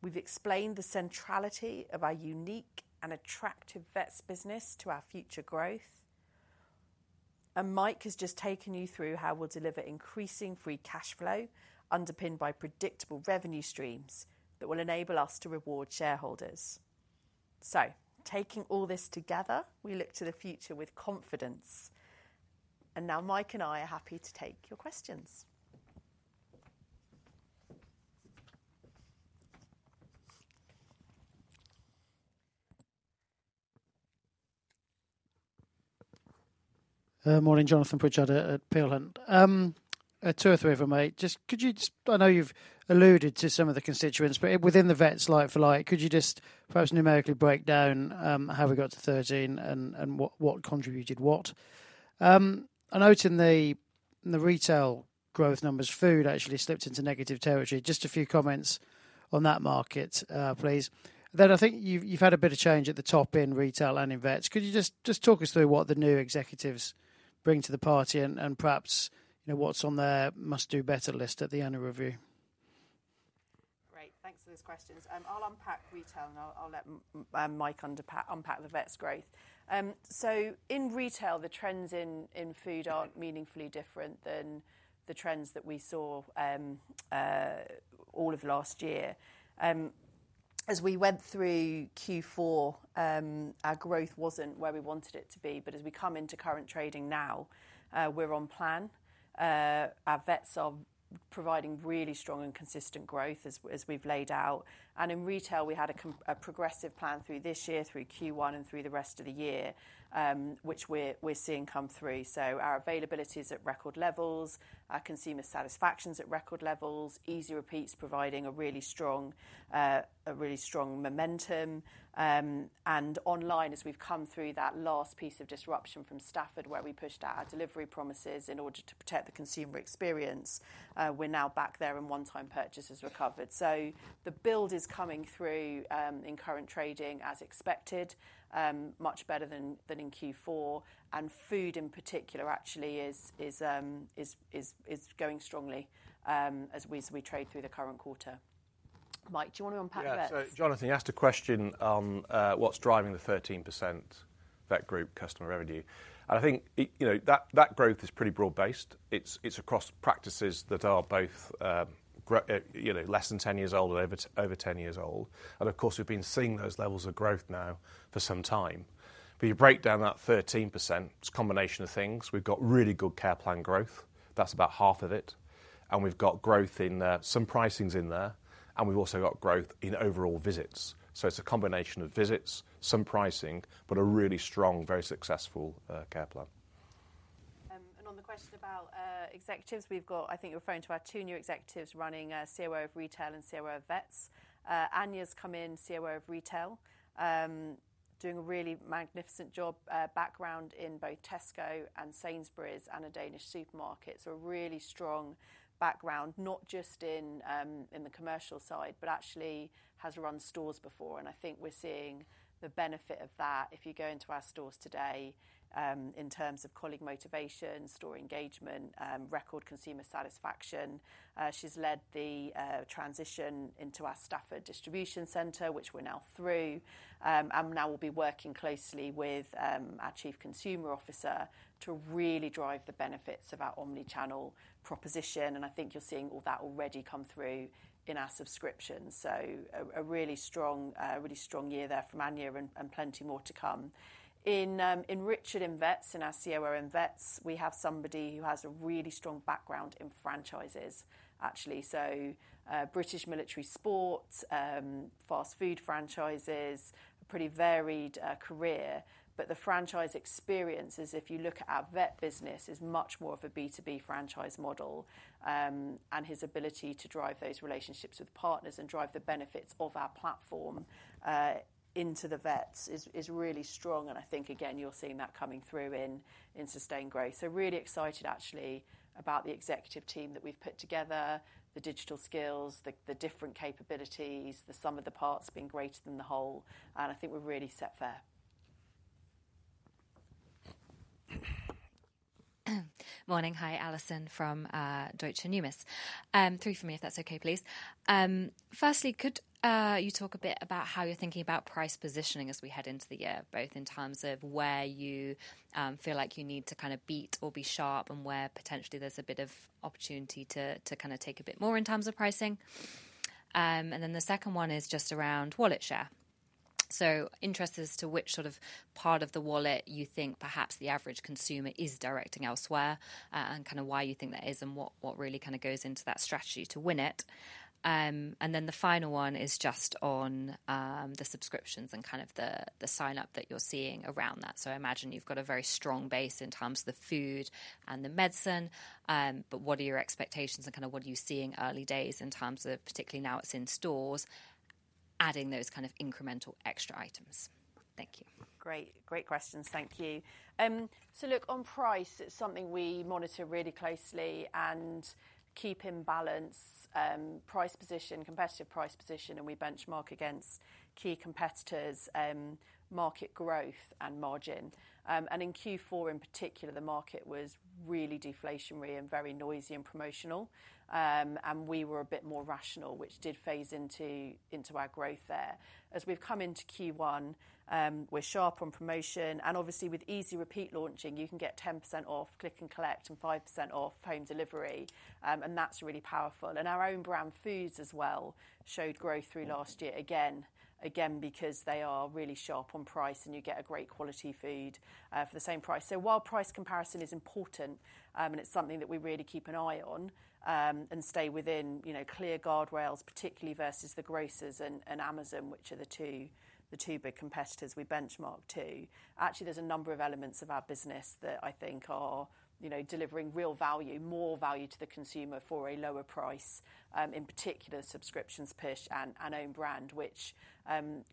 We have explained the centrality of our unique and attractive vets business to our future growth. Mike has just taken you through how we will deliver increasing free cash flow underpinned by predictable revenue streams that will enable us to reward shareholders. Taking all this together, we look to the future with confidence. Mike and I are happy to take your questions. Morning, Jonathan Pritchard at Peel Hunt at 2:03 from 8:00. Just could you just, I know you've alluded to some of the constituents, but within the vets' like-for-like, could you just perhaps numerically break down how we got to 13 and what contributed what? I noted the retail growth numbers. Food actually slipped into negative territory. Just a few comments on that market, please. Then I think you've had a bit of change at the top in retail and in vets. Could you just talk us through what the new executives bring to the party and perhaps what's on their must-do better list at the annual review? Great. Thanks for those questions. I'll unpack retail. I'll let Mike unpack the vets' growth. In retail, the trends in food aren't meaningfully different than the trends that we saw all of last year. As we went through Q4, our growth wasn't where we wanted it to be. As we come into current trading now, we're on plan. Our vets are providing really strong and consistent growth as we've laid out. In retail, we had a progressive plan through this year, through Q1, and through the rest of the year, which we're seeing come through. Our availability is at record levels. Our consumer satisfaction is at record levels. Easy Repeat is providing really strong momentum. Online, as we've come through that last piece of disruption from Stafford, where we pushed out our delivery promises in order to protect the consumer experience, we're now back there and one-time purchases recovered. The build is coming through in current trading as expected, much better than in Q4. Food in particular actually is going strongly as we trade through the current quarter. Mike, do you want to unpack that? Yeah. Jonathan asked a question on what's driving the 13% vet group customer revenue. I think that growth is pretty broad-based. It's across practices that are both less than 10 years old and over 10 years old. Of course, we've been seeing those levels of growth now for some time. You break down that 13%, it's a combination of things. We've got really good care plan growth. That's about half of it. We've got growth in some pricings in there. We've also got growth in overall visits. It's a combination of visits, some pricing, but a really strong, very successful care plan. On the question about executives, we've got, I think you're referring to our two new executives running COO of Retail and COO of Vets. Anya's come in as COO of Retail, doing a really magnificent job, background in both Tesco and Sainsbury's and a Danish supermarket. A really strong background, not just in the commercial side, but actually has run stores before. I think we're seeing the benefit of that if you go into our stores today in terms of colleague motivation, store engagement, record consumer satisfaction. She's led the transition into our Stafford distribution center, which we're now through. Now we'll be working closely with our Chief Consumer Officer to really drive the benefits of our omnichannel proposition. I think you're seeing all that already come through in our subscriptions. A really strong year there from Anya and plenty more to come. In Richard in Vets and our COO in Vets, we have somebody who has a really strong background in franchises, actually. British Military Sports, fast food franchises, a pretty varied career. The franchise experience, as if you look at our vet business, is much more of a B2B franchise model. His ability to drive those relationships with partners and drive the benefits of our platform into the vets is really strong. I think, again, you're seeing that coming through in sustained growth. Really excited actually about the executive team that we've put together, the digital skills, the different capabilities, the sum of the parts being greater than the whole. I think we're really set there. Morning. Hi, Alison from Deutsche Numis. Three for me if that's okay, please. Firstly, could you talk a bit about how you're thinking about price positioning as we head into the year, both in terms of where you feel like you need to kind of beat or be sharp and where potentially there's a bit of opportunity to kind of take a bit more in terms of pricing? The second one is just around wallet share. Interest as to which sort of part of the wallet you think perhaps the average consumer is directing elsewhere and kind of why you think that is and what really kind of goes into that strategy to win it. The final one is just on the subscriptions and kind of the sign-up that you're seeing around that. I imagine you've got a very strong base in terms of the food and the medicine. What are your expectations and kind of what are you seeing early days in terms of, particularly now it is in stores, adding those kind of incremental extra items? Thank you. Great. Great questions. Thank you. Look, on price, it is something we monitor really closely and keep in balance price position, competitive price position, and we benchmark against key competitors, market growth, and margin. In Q4 in particular, the market was really deflationary and very noisy and promotional. We were a bit more rational, which did phase into our growth there. As we have come into Q1, we are sharp on promotion. Obviously, with Easy Repeat launching, you can get 10% off click and collect and 5% off home delivery. That is really powerful. Our own brand foods as well showed growth through last year, again, because they are really sharp on price and you get a great quality food for the same price. While price comparison is important, and it's something that we really keep an eye on and stay within clear guardrails, particularly versus the grocers and Amazon, which are the two big competitors we benchmark to, there are a number of elements of our business that I think are delivering real value, more value to the consumer for a lower price, in particular subscriptions push and own brand, which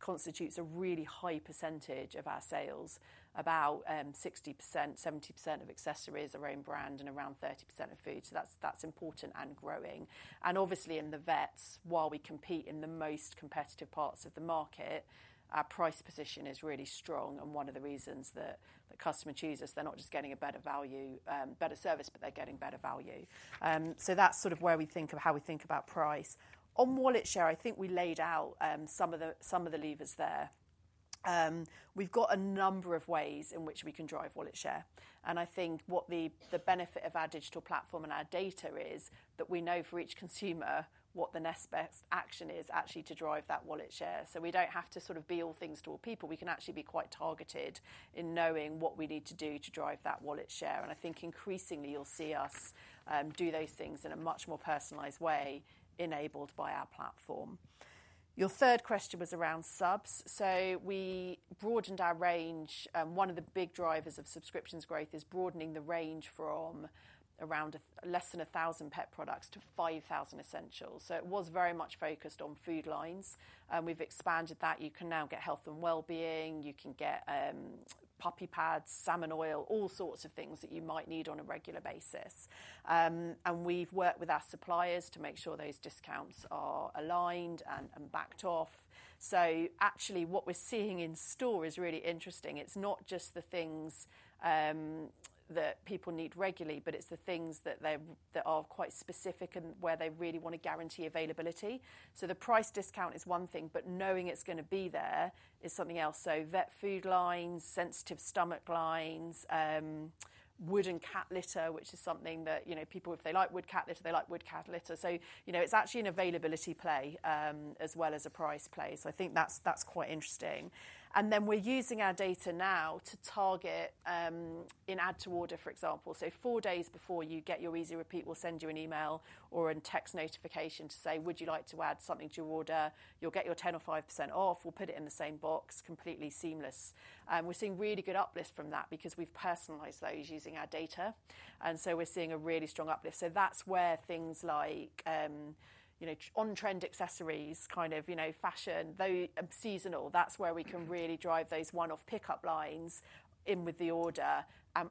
constitutes a really high percentage of our sales, about 60%-70% of accessories are own brand and around 30% of food. That is important and growing. Obviously, in the vets, while we compete in the most competitive parts of the market, our price position is really strong. One of the reasons that the customer chooses us, they're not just getting a better value, better service, but they're getting better value. That is sort of where we think of how we think about price. On wallet share, I think we laid out some of the levers there. We have a number of ways in which we can drive wallet share. I think what the benefit of our digital platform and our data is that we know for each consumer what the next best action is actually to drive that wallet share. We do not have to sort of be all things to all people. We can actually be quite targeted in knowing what we need to do to drive that wallet share. I think increasingly you will see us do those things in a much more personalized way enabled by our platform. Your third question was around subs. We broadened our range. One of the big drivers of subscriptions growth is broadening the range from around less than 1,000 pet products to 5,000 essentials. It was very much focused on food lines. We've expanded that. You can now get health and well-being. You can get puppy pads, salmon oil, all sorts of things that you might need on a regular basis. We've worked with our suppliers to make sure those discounts are aligned and backed off. What we're seeing in store is really interesting. It's not just the things that people need regularly, but it's the things that are quite specific and where they really want to guarantee availability. The price discount is one thing, but knowing it's going to be there is something else. Vet food lines, sensitive stomach lines, wooden cat litter, which is something that people, if they like wood cat litter, they like wood cat litter. It is actually an availability play as well as a price play. I think that is quite interesting. We are using our data now to target in add to order, for example. Four days before you get your Easy Repeat, we will send you an email or a text notification to say, "Would you like to add something to your order? You will get your 10% or 5% off. We will put it in the same box. Completely seamless." We are seeing really good uplift from that because we have personalized those using our data. We are seeing a really strong uplift. That is where things like on-trend accessories, kind of fashion, those seasonal, that is where we can really drive those one-off pickup lines in with the order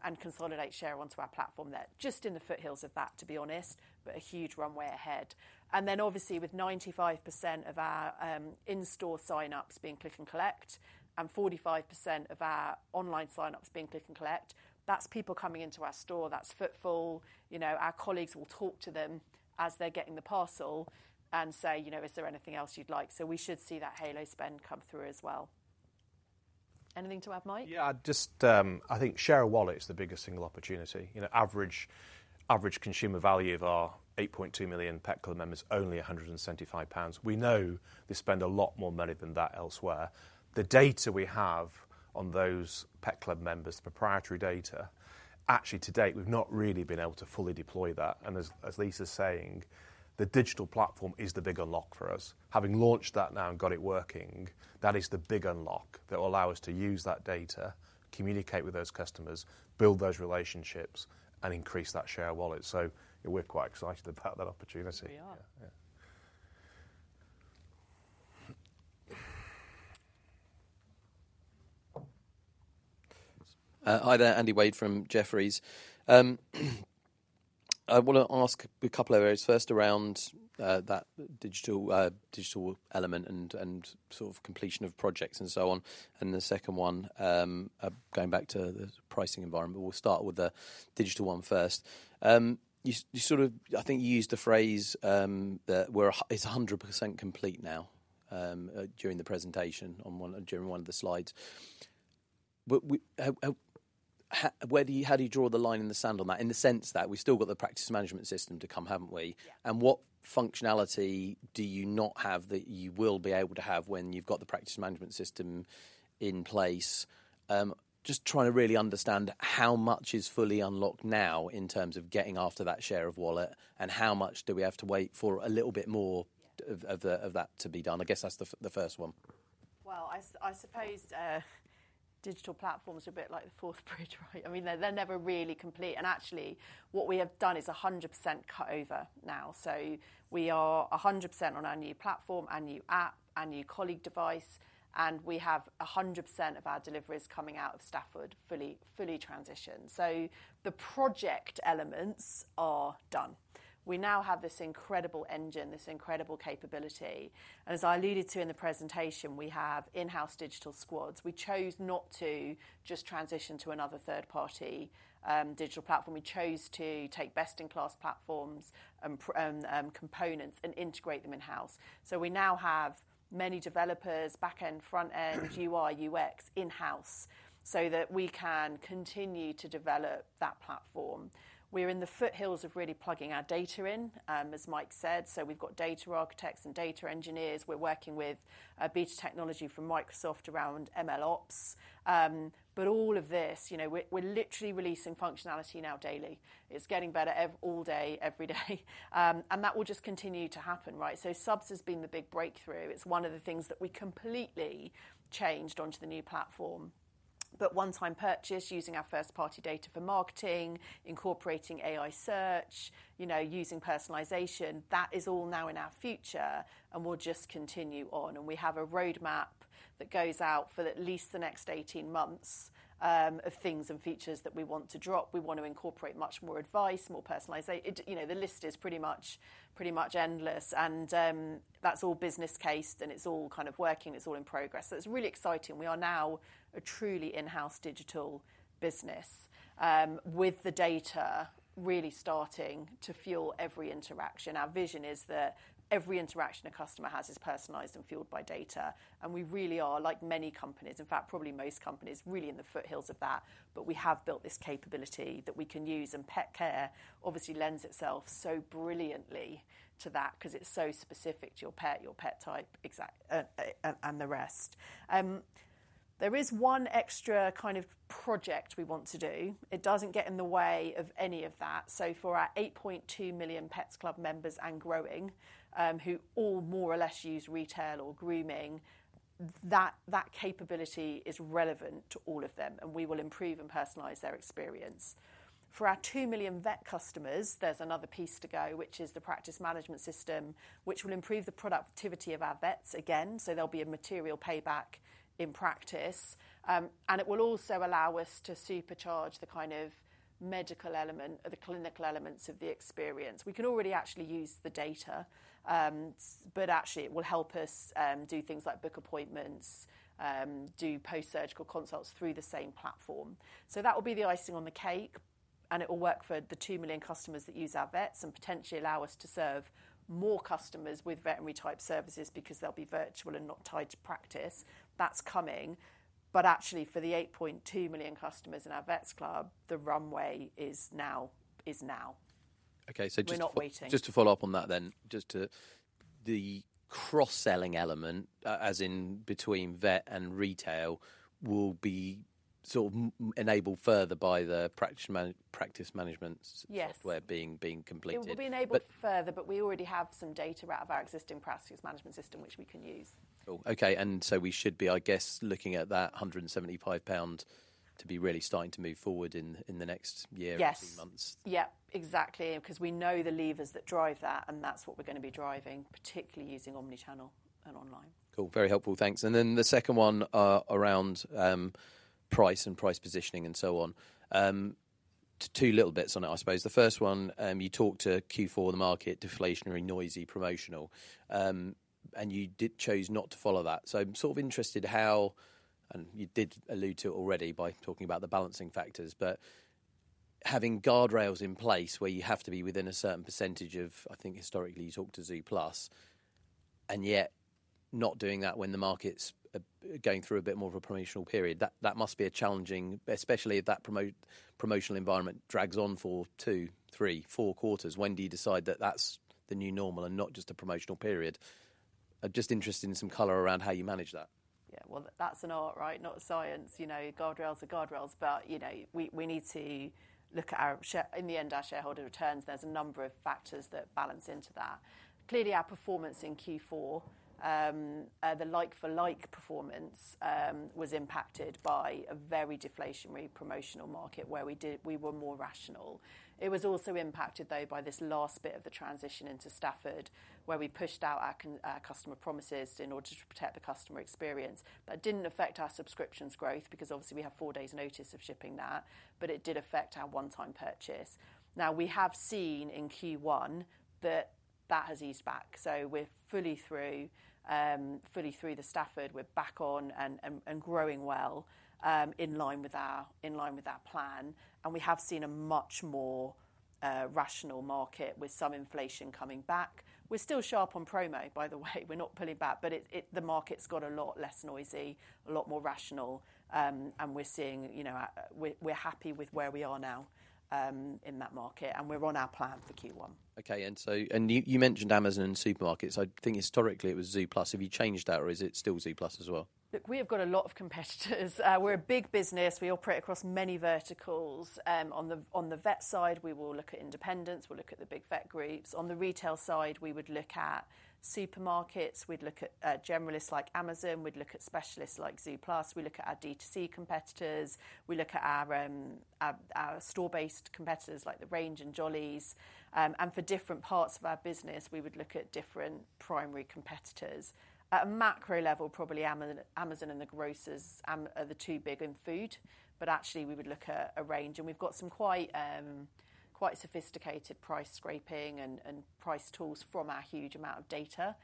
and consolidate share onto our platform there. Just in the foothills of that, to be honest, but a huge runway ahead. Obviously, with 95% of our in-store sign-ups being click and collect and 45% of our online sign-ups being click and collect, that is people coming into our store. That is footfall. Our colleagues will talk to them as they are getting the parcel and say, "Is there anything else you would like?" We should see that halo spend come through as well. Anything to add, Mike? Yeah. Just I think share of wallet is the biggest single opportunity. Average consumer value of our 8.2 million Pets Club members is only 175 pounds. We know they spend a lot more money than that elsewhere. The data we have on those Pets Club members, the proprietary data, actually to date, we've not really been able to fully deploy that. As Lyssa's saying, the digital platform is the big unlock for us. Having launched that now and got it working, that is the big unlock that will allow us to use that data, communicate with those customers, build those relationships, and increase that share of wallet. We are quite excited about that opportunity. We are. Yeah. Hi there. Andy Wade from Jefferies. I want to ask a couple of areas, first around that digital element and sort of completion of projects and so on. The second one, going back to the pricing environment. We'll start with the digital one first. You sort of, I think you used the phrase that it's 100% complete now during the presentation on one of the slides. How do you draw the line in the sand on that in the sense that we've still got the practice management system to come, haven't we? And what functionality do you not have that you will be able to have when you've got the practice management system in place? Just trying to really understand how much is fully unlocked now in terms of getting after that share of wallet and how much do we have to wait for a little bit more of that to be done. I guess that's the first one. I suppose digital platforms are a bit like the fourth bridge, right? I mean, they're never really complete. Actually, what we have done is 100% cut over now. We are 100% on our new platform, our new app, our new colleague device. We have 100% of our deliveries coming out of Stafford fully transitioned. The project elements are done. We now have this incredible engine, this incredible capability. As I alluded to in the presentation, we have in-house digital squads. We chose not to just transition to another third-party digital platform. We chose to take best-in-class platforms and components and integrate them in-house. We now have many developers, back-end, front-end, UI, UX in-house so that we can continue to develop that platform. We are in the foothills of really plugging our data in, as Mike said. We have data architects and data engineers. We are working with beta technology from Microsoft around MLOps. All of this, we are literally releasing functionality now daily. It is getting better all day, every day. That will just continue to happen, right? Subs has been the big breakthrough. is one of the things that we completely changed onto the new platform. One-time purchase using our first-party data for marketing, incorporating AI search, using personalization, that is all now in our future. We will just continue on. We have a roadmap that goes out for at least the next 18 months of things and features that we want to drop. We want to incorporate much more advice, more personalization. The list is pretty much endless. That is all business cased. It is all kind of working. It is all in progress. It is really exciting. We are now a truly in-house digital business with the data really starting to fuel every interaction. Our vision is that every interaction a customer has is personalized and fueled by data. We really are, like many companies, in fact, probably most companies, really in the foothills of that. We have built this capability that we can use. Pet care obviously lends itself so brilliantly to that because it is so specific to your pet, your pet type, and the rest. There is one extra kind of project we want to do. It does not get in the way of any of that. For our 8.2 million Pets Club members and growing who all more or less use retail or grooming, that capability is relevant to all of them. We will improve and personalize their experience. For our 2 million vet customers, there is another piece to go, which is the practice management system, which will improve the productivity of our vets again. There will be a material payback in practice. It will also allow us to supercharge the kind of medical element or the clinical elements of the experience. We can already actually use the data, but actually, it will help us do things like book appointments, do post-surgical consults through the same platform. That will be the icing on the cake. It will work for the 2 million customers that use our vets and potentially allow us to serve more customers with veterinary-type services because they will be virtual and not tied to practice. That is coming. For the 8.2 million customers in our Pets Club, the runway is now. Okay. Just to follow up on that then, just the cross-selling element, as in between vet and retail, will be sort of enabled further by the practice management software being completed. It will be enabled further, but we already have some data out of our existing practice management system, which we can use. Okay. We should be, I guess, looking at that 175 pound to be really starting to move forward in the next year or two months. Yes. Yep. Exactly. Because we know the levers that drive that. That is what we are going to be driving, particularly using omnichannel and online. Cool. Very helpful. Thanks. The second one around price and price positioning and so on, two little bits on it, I suppose. The first one, you talked to Q4 of the market, deflationary, noisy, promotional. You chose not to follow that. I'm sort of interested how, and you did allude to it already by talking about the balancing factors, but having guardrails in place where you have to be within a certain percentage of, I think historically you talked to Zooplus, and yet not doing that when the market's going through a bit more of a promotional period. That must be challenging, especially if that promotional environment drags on for two, three, four quarters. When do you decide that that's the new normal and not just a promotional period? Just interested in some color around how you manage that. Yeah. That's an art, right? Not a science. Guardrails are guardrails. We need to look at our share. In the end, our shareholder returns, there's a number of factors that balance into that. Clearly, our performance in Q4, the like-for-like performance was impacted by a very deflationary promotional market where we were more rational. It was also impacted, though, by this last bit of the transition into Stafford where we pushed out our customer promises in order to protect the customer experience. That did not affect our subscriptions growth because obviously we have four days notice of shipping that. It did affect our one-time purchase. Now, we have seen in Q1 that that has eased back. We are fully through the Stafford. We are back on and growing well in line with our plan. We have seen a much more rational market with some inflation coming back. We are still sharp on promo, by the way. We are not pulling back. The market has got a lot less noisy, a lot more rational. We are happy with where we are now in that market. We're on our plan for Q1. Okay. You mentioned Amazon and supermarkets. I think historically it was Zooplus. Have you changed that, or is it still Zooplus as well? Look, we have got a lot of competitors. We're a big business. We operate across many verticals. On the vet side, we will look at independents. We'll look at the big vet groups. On the retail side, we would look at supermarkets. We'd look at generalists like Amazon. We'd look at specialists like Zooplus. We look at our D2C competitors. We look at our store-based competitors like The Range and Jollyes. For different parts of our business, we would look at different primary competitors. At a macro level, probably Amazon and the grocers are the two big in food. Actually, we would look at a range. We have some quite sophisticated price scraping and price tools from our huge amount of data.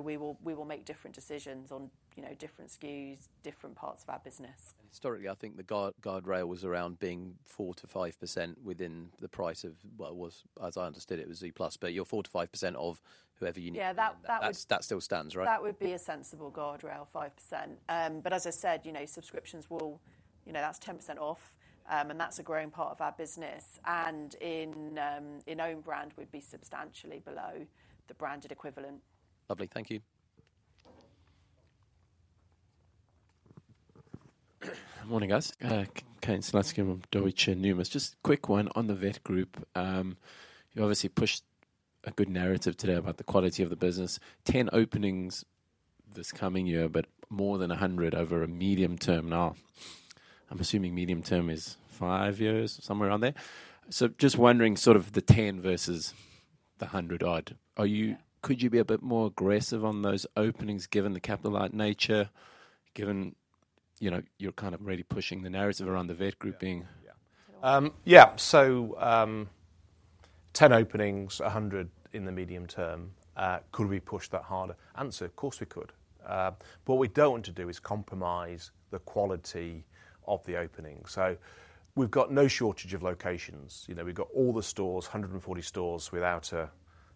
We will make different decisions on different SKUs, different parts of our business. Historically, I think the guardrail was around being 4%-5% within the price of what was, as I understood it, it was Zooplus. Your 4%-5% of whoever you need. That still stands, right? That would be a sensible guardrail, 5%. As I said, subscriptions will, that is 10% off. That is a growing part of our business. In own brand, we would be substantially below the branded equivalent. Lovely. Thank you. Morning, guys. Kane Slutzkin from Deutsche Numis. Just a quick one on the vet group. You obviously pushed a good narrative today about the quality of the business. 10 openings this coming year, but more than 100 over a medium term now. I'm assuming medium term is five years, somewhere around there. Just wondering sort of the 10 versus the 100 odd. Could you be a bit more aggressive on those openings given the capital-light nature, given you're kind of already pushing the narrative around the vet group being? Yeah. 10 openings, 100 in the medium term. Could we push that harder? Answer, of course we could. What we do not want to do is compromise the quality of the opening. We have no shortage of locations. We have all the stores, 140 stores without a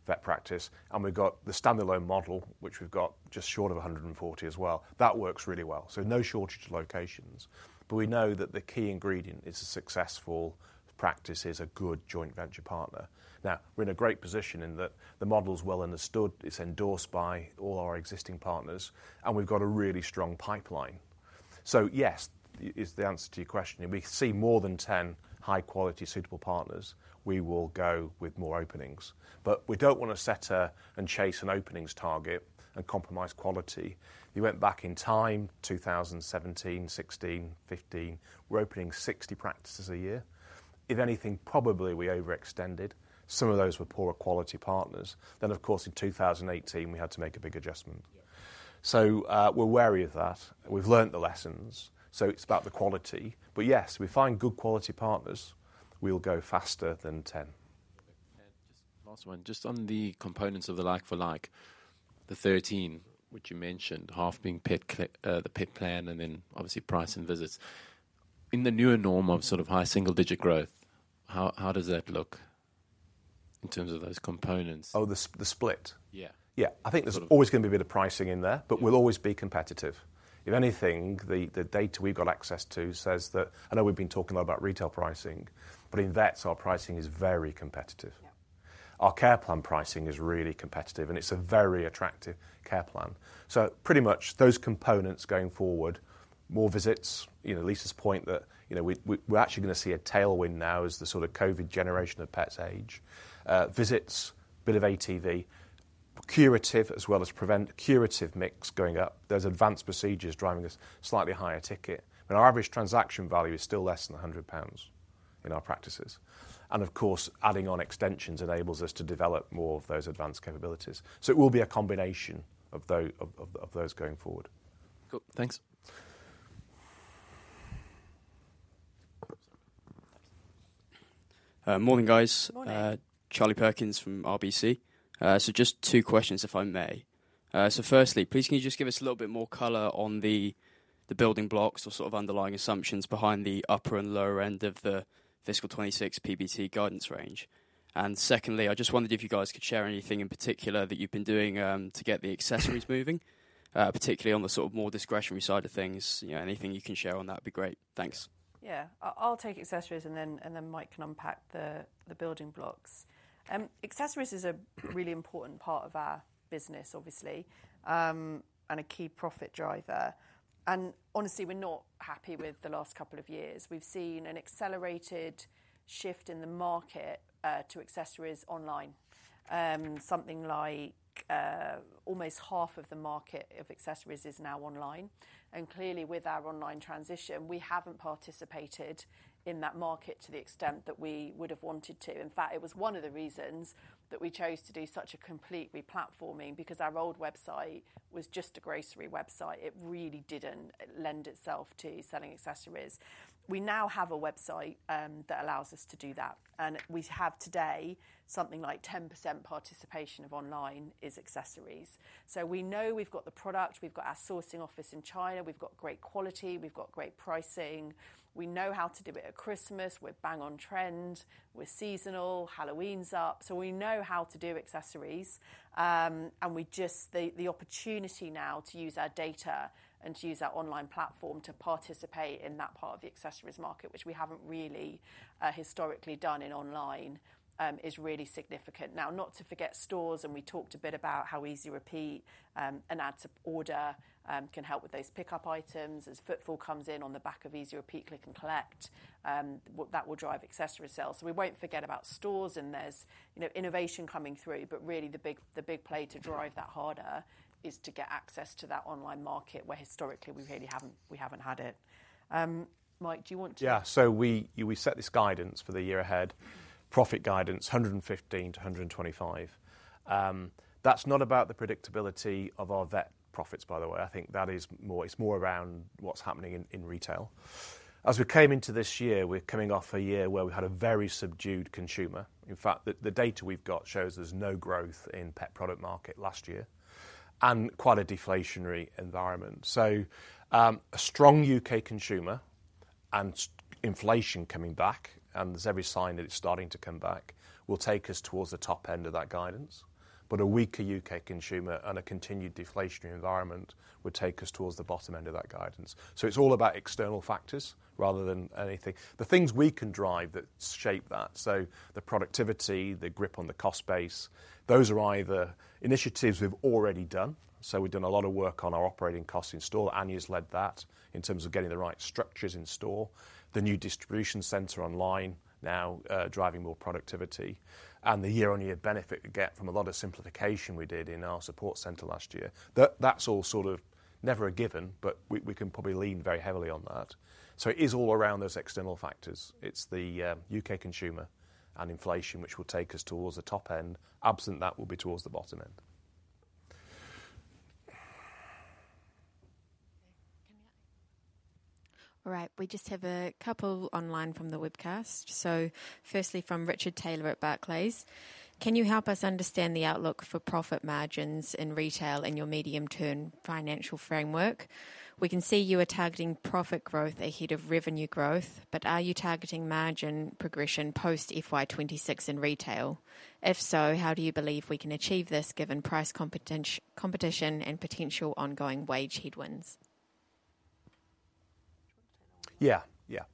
vet practice. We have the standalone model, which we have just short of 140 as well. That works really well. No shortage of locations. We know that the key ingredient in a successful practice is a good joint venture partner. Now, we are in a great position in that the model is well understood. It is endorsed by all our existing partners, and we have a really strong pipeline. Yes is the answer to your question. If we see more than 10 high-quality, suitable partners, we will go with more openings. We do not want to set and chase an openings target and compromise quality. You went back in time, 2017, 2016, 2015, we were opening 60 practices a year. If anything, probably we overextended. Some of those were poorer quality partners. In 2018, we had to make a big adjustment. We are wary of that. We have learned the lessons. It is about the quality. Yes, we find good quality partners. We will go faster than 10. Just last one. Just on the components of the like-for-like, the 13, which you mentioned, half being the pet plan and then obviously price and visits. In the newer norm of sort of high single-digit growth, how does that look in terms of those components? Oh, the split? Yeah. Yeah. I think there's always going to be a bit of pricing in there, but we'll always be competitive. If anything, the data we've got access to says that, I know we've been talking a lot about retail pricing, but in vets, our pricing is very competitive. Our care plan pricing is really competitive. And it's a very attractive care plan. So pretty much those components going forward, more visits. Lyssa's point that we're actually going to see a tailwind now as the sort of COVID generation of pets age. Visits, a bit of ATV, curative as well as prevent curative mix going up. There's advanced procedures driving us slightly higher ticket. Our average transaction value is still less than 100 pounds in our practices. Of course, adding on extensions enables us to develop more of those advanced capabilities. It will be a combination of those going forward. Cool. Thanks. Morning, guys. Charlie Perkins from RBC. Just two questions, if I may. Firstly, please can you just give us a little bit more color on the building blocks or sort of underlying assumptions behind the upper and lower end of the fiscal 2026 PBT guidance range. Secondly, I just wondered if you guys could share anything in particular that you've been doing to get the accessories moving, particularly on the sort of more discretionary side of things. Anything you can share on that would be great. Thanks. Yeah. I'll take accessories. Then Mike can unpack the building blocks. Accessories is a really important part of our business, obviously, and a key profit driver. Honestly, we're not happy with the last couple of years. We've seen an accelerated shift in the market to accessories online. Something like almost half of the market of accessories is now online. Clearly, with our online transition, we haven't participated in that market to the extent that we would have wanted to. In fact, it was one of the reasons that we chose to do such a complete replatforming because our old website was just a grocery website. It really didn't lend itself to selling accessories. We now have a website that allows us to do that. We have today something like 10% participation of online is accessories. We know we've got the product. We've got our sourcing office in China. We've got great quality. We've got great pricing. We know how to do it at Christmas. We're bang on trend. We're seasonal. Halloween's up. We know how to do accessories. The opportunity now to use our data and to use our online platform to participate in that part of the accessories market, which we haven't really historically done in online, is really significant. Not to forget stores. We talked a bit about how Easy Repeat and Add to Order can help with those pickup items as footfall comes in on the back of Easy Repeat, click and collect. That will drive accessory sales. We won't forget about stores and there's innovation coming through. Really, the big play to drive that harder is to get access to that online market where historically we haven't had it. Mike, do you want to? Yeah. We set this guidance for the year ahead, profit guidance, 115 million-125 million. That is not about the predictability of our vet profits, by the way. I think that is more, it is more around what is happening in retail. As we came into this year, we are coming off a year where we had a very subdued consumer. In fact, the data we have got shows there is no growth in the pet product market last year and quite a deflationary environment. A strong U.K. consumer and inflation coming back, and there is every sign that it is starting to come back, will take us towards the top end of that guidance. A weaker U.K. consumer and a continued deflationary environment would take us towards the bottom end of that guidance. It is all about external factors rather than anything. The things we can drive that shape that, so the productivity, the grip on the cost base, those are either initiatives we've already done. We've done a lot of work on our operating costs in store. Anya has led that in terms of getting the right structures in store. The new distribution center online now driving more productivity. The year-on-year benefit we get from a lot of simplification we did in our support center last year. That's all sort of never a given, but we can probably lean very heavily on that. It is all around those external factors. It's the U.K. consumer and inflation, which will take us towards the top end. Absent that, we'll be towards the bottom end. All right. We just have a couple online from the webcast. Firstly, from Richard Taylor at Barclays. Can you help us understand the outlook for profit margins in retail in your medium-term financial framework? We can see you are targeting profit growth ahead of revenue growth, but are you targeting margin progression post FY 2026 in retail? If so, how do you believe we can achieve this given price competition and potential ongoing wage headwinds? Yeah. Yeah.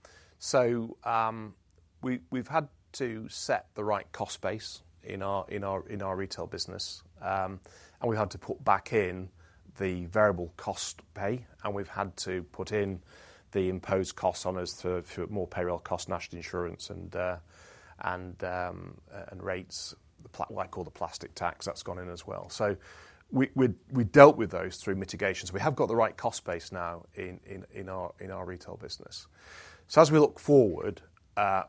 We have had to set the right cost base in our retail business. We have had to put back in the variable cost pay. We have had to put in the imposed costs on us through more payroll costs, national insurance, and rates, like all the plastic tax that has gone in as well. We dealt with those through mitigation. We have got the right cost base now in our retail business. As we look forward,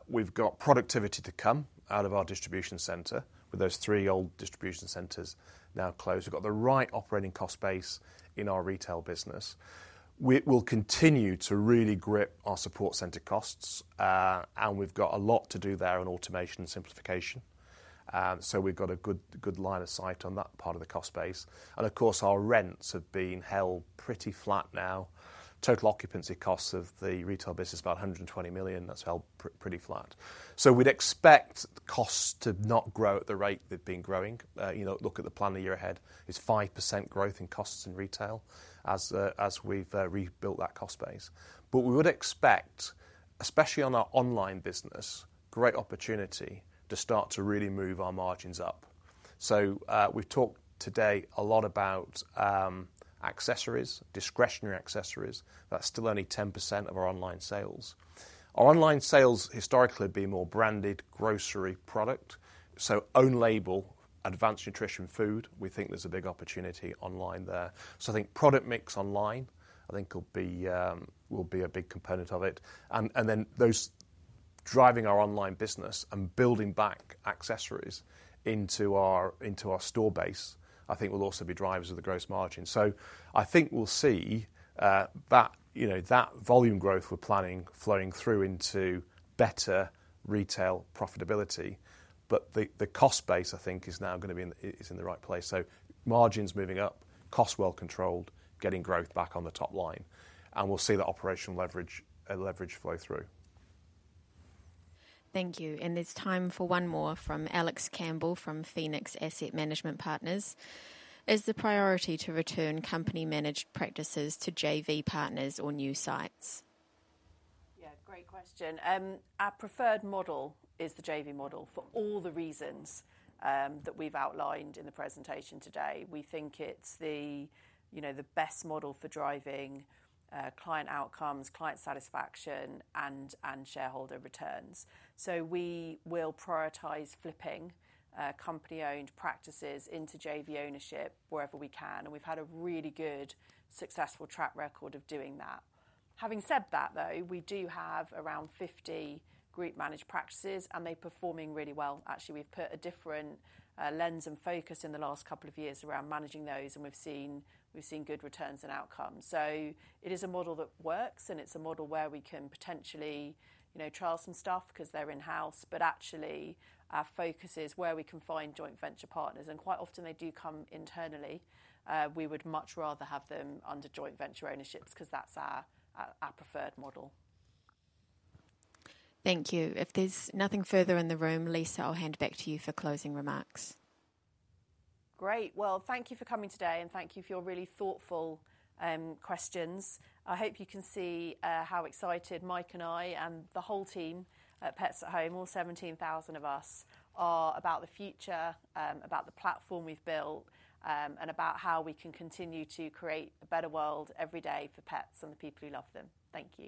we've got productivity to come out of our distribution center with those three old distribution centers now closed. We've got the right operating cost base in our retail business. We'll continue to really grip our support center costs. We've got a lot to do there in automation and simplification. We've got a good line of sight on that part of the cost base. Our rents have been held pretty flat now. Total occupancy costs of the retail business, about 120 million, that's held pretty flat. We'd expect costs to not grow at the rate they've been growing. Look at the plan of year ahead. It's 5% growth in costs in retail as we've rebuilt that cost base. We would expect, especially on our online business, great opportunity to start to really move our margins up. We've talked today a lot about accessories, discretionary accessories. That's still only 10% of our online sales. Our online sales historically have been more branded grocery product. Own label, advanced nutrition food, we think there's a big opportunity online there. I think product mix online, I think will be a big component of it. Those driving our online business and building back accessories into our store base, I think will also be drivers of the gross margin. I think we'll see that volume growth we're planning flowing through into better retail profitability. The cost base, I think, is now going to be in the right place. Margins moving up, cost well controlled, getting growth back on the top line. We'll see that operational leverage flow through. Thank you. It is time for one more from Alex Campbell from Phoenix Asset Management Partners. Is the priority to return company-managed practices to JV partners or new sites? Yeah. Great question. Our preferred model is the JV model for all the reasons that we have outlined in the presentation today. We think it is the best model for driving client outcomes, client satisfaction, and shareholder returns. We will prioritize flipping company-owned practices into JV ownership wherever we can. We have had a really good, successful track record of doing that. Having said that, though, we do have around 50 group-managed practices, and they are performing really well. Actually, we have put a different lens and focus in the last couple of years around managing those, and we have seen good returns and outcomes. It is a model that works, and it is a model where we can potentially trial some stuff because they are in-house. Actually, our focus is where we can find joint venture partners. Quite often, they do come internally. We would much rather have them under joint venture ownership because that is our preferred model. Thank you. If there is nothing further in the room, Lyssa, I will hand back to you for closing remarks. Great. Thank you for coming today, and thank you for your really thoughtful questions. I hope you can see how excited Mike and I and the whole team at Pets at Home, all 17,000 of us, are about the future, about the platform we have built, and about how we can continue to create a better world every day for pets and the people who love them. Thank you.